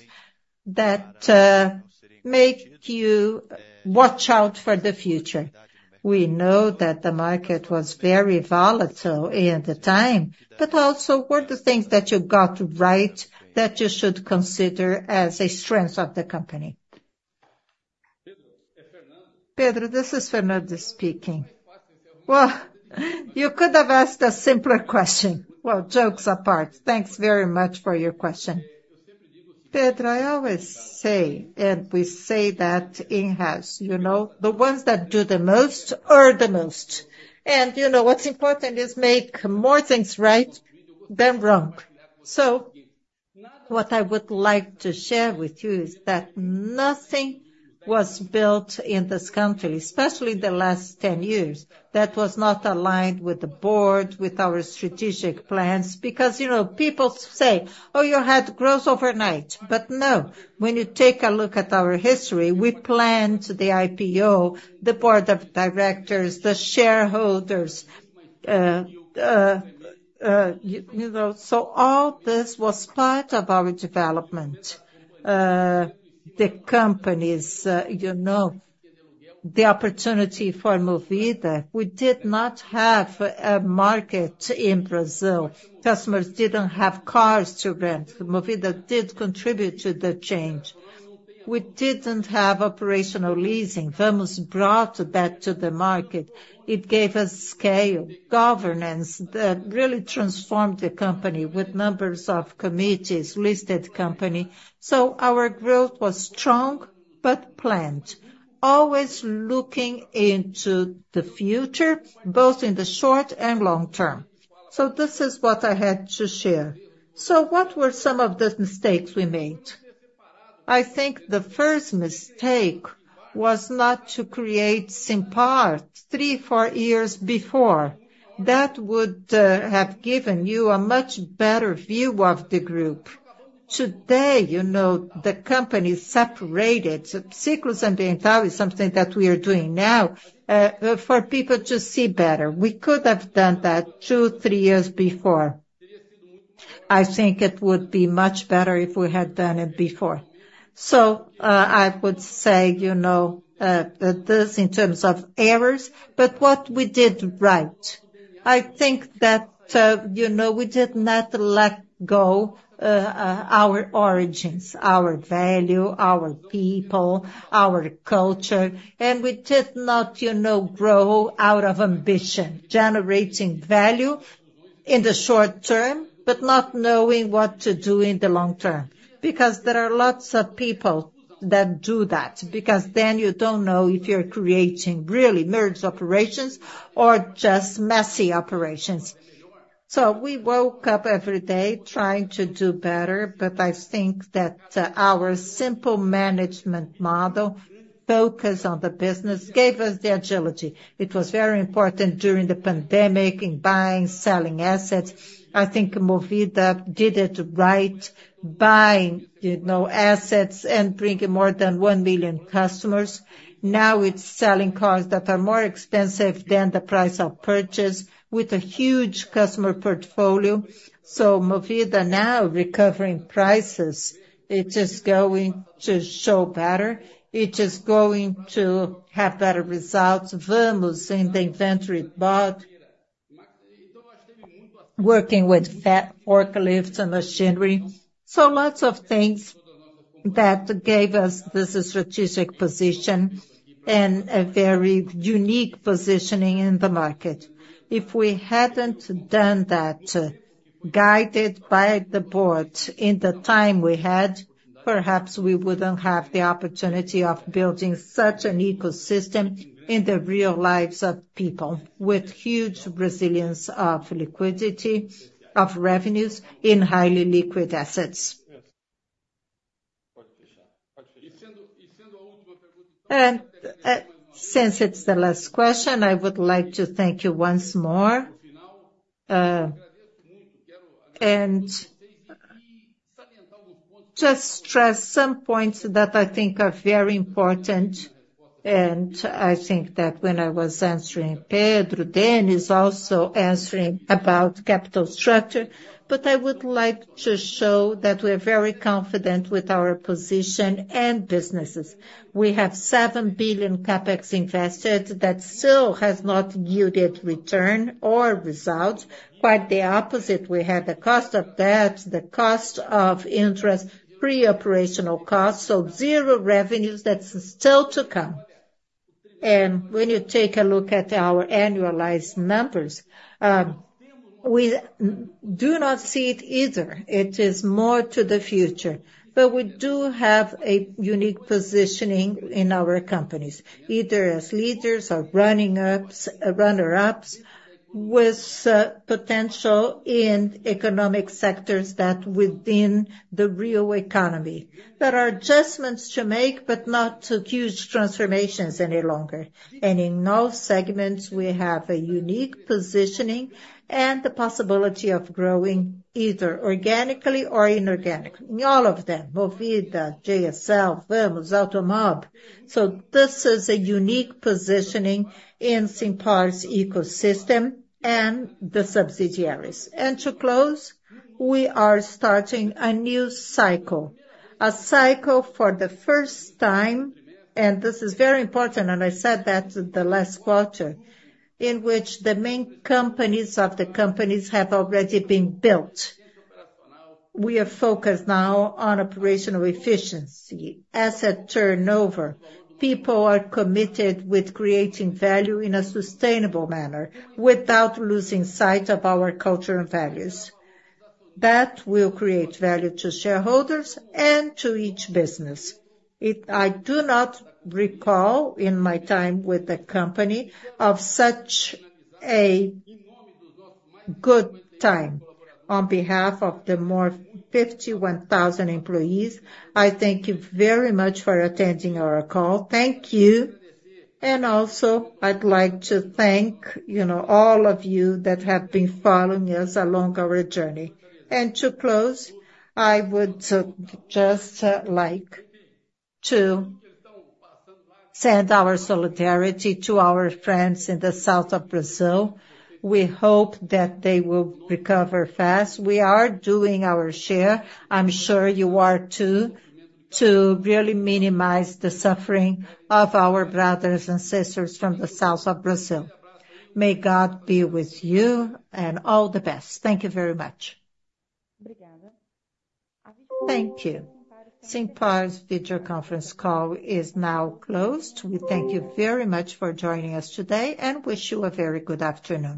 that make you watch out for the future? We know that the market was very volatile at the time, but also, what are the things that you got right that you should consider as a strength of the company? Pedro, this is Fernando speaking. Well, you could have asked a simpler question. Well, jokes apart. Thanks very much for your question. Pedro, I always say, and we say that in-house, you know, the ones that do the most earn the most. And you know, what's important is to make more things right than wrong. So what I would like to share with you is that nothing was built in this country, especially in the last 10 years, that was not aligned with the board, with our strategic plans, because, you know, people say, "Oh, you had growth overnight." But no. When you take a look at our history, we planned the IPO, the board of directors, the shareholders, you know, so all this was part of our development, the companies, you know, the opportunity for Movida. We did not have a market in Brazil. Customers didn't have cars to rent. Movida did contribute to the change. We didn't have operational leasing. Vamos brought that to the market. It gave us scale, governance that really transformed the company with numbers of committees, listed company. So our growth was strong but planned, always looking into the future, both in the short and long term. So this is what I had to share. So what were some of the mistakes we made? I think the first mistake was not to create Simpar three, four years before. That would have given you a much better view of the group. Today, you know, the company separated. Ciclus Ambiental is something that we are doing now, for people to see better. We could have done that two, three years before. I think it would be much better if we had done it before. So, I would say, you know, this in terms of errors, but what we did right, I think that, you know, we did not let go, our origins, our value, our people, our culture, and we did not, you know, grow out of ambition, generating value in the short term but not knowing what to do in the long term, because there are lots of people that do that, because then you don't know if you're creating really merged operations or just messy operations. So we woke up every day trying to do better, but I think that our simple management model, focus on the business, gave us the agility. It was very important during the pandemic in buying, selling assets. I think Movida did it right, buying, you know, assets and bringing more than 1 million customers. Now it's selling cars that are more expensive than the price of purchase with a huge customer portfolio. So Movida now, recovering prices, it's just going to show better. It's just going to have better results. Vamos in the inventory it bought, working with forklifts and machinery. So lots of things that gave us this strategic position and a very unique positioning in the market. If we hadn't done that, guided by the board in the time we had, perhaps we wouldn't have the opportunity of building such an ecosystem in the real lives of people with huge resilience of liquidity, of revenues in highly liquid assets. And since it's the last question, I would like to thank you once more. E just stress some points that I think are very important. And I think that when I was answering Pedro, Denys also answering about capital structure, but I would like to show that we are very confident with our position and businesses. We have 7 billion CapEx invested that still has not yielded return or results. Quite the opposite. We had the cost of debt, the cost of interest, pre-operational costs, so zero revenues that's still to come. And when you take a look at our annualized numbers, we do not see it either. It is more to the future. But we do have a unique positioning in our companies, either as leaders or runner-ups with potential in economic sectors that are within the real economy, that are adjustments to make but not to huge transformations any longer. And in all segments, we have a unique positioning and the possibility of growing either organically or inorganically, in all of them, Movida, JSL, Vamos, Automob. So this is a unique positioning in Simpar's ecosystem and the subsidiaries. And to close, we are starting a new cycle, a cycle for the first time, and this is very important, and I said that the last quarter, in which the main companies of the companies have already been built. We are focused now on operational efficiency, asset turnover. People are committed to creating value in a sustainable manner without losing sight of our culture and values. That will create value to shareholders and to each business. If I do not recall in my time with the company of such a good time. On behalf of the more than 51,000 employees, I thank you very much for attending our call. Thank you. And also, I'd like to thank, you know, all of you that have been following us along our journey. And to close, I would just like to send our solidarity to our friends in the South of Brazil. We hope that they will recover fast. We are doing our share. I'm sure you are too, to really minimize the suffering of our brothers and sisters from the South of Brazil. May God be with you and all the best. Thank you very much. Thank you. Simpar's video conference call is now closed. We thank you very much for joining us today and wish you a very good afternoon.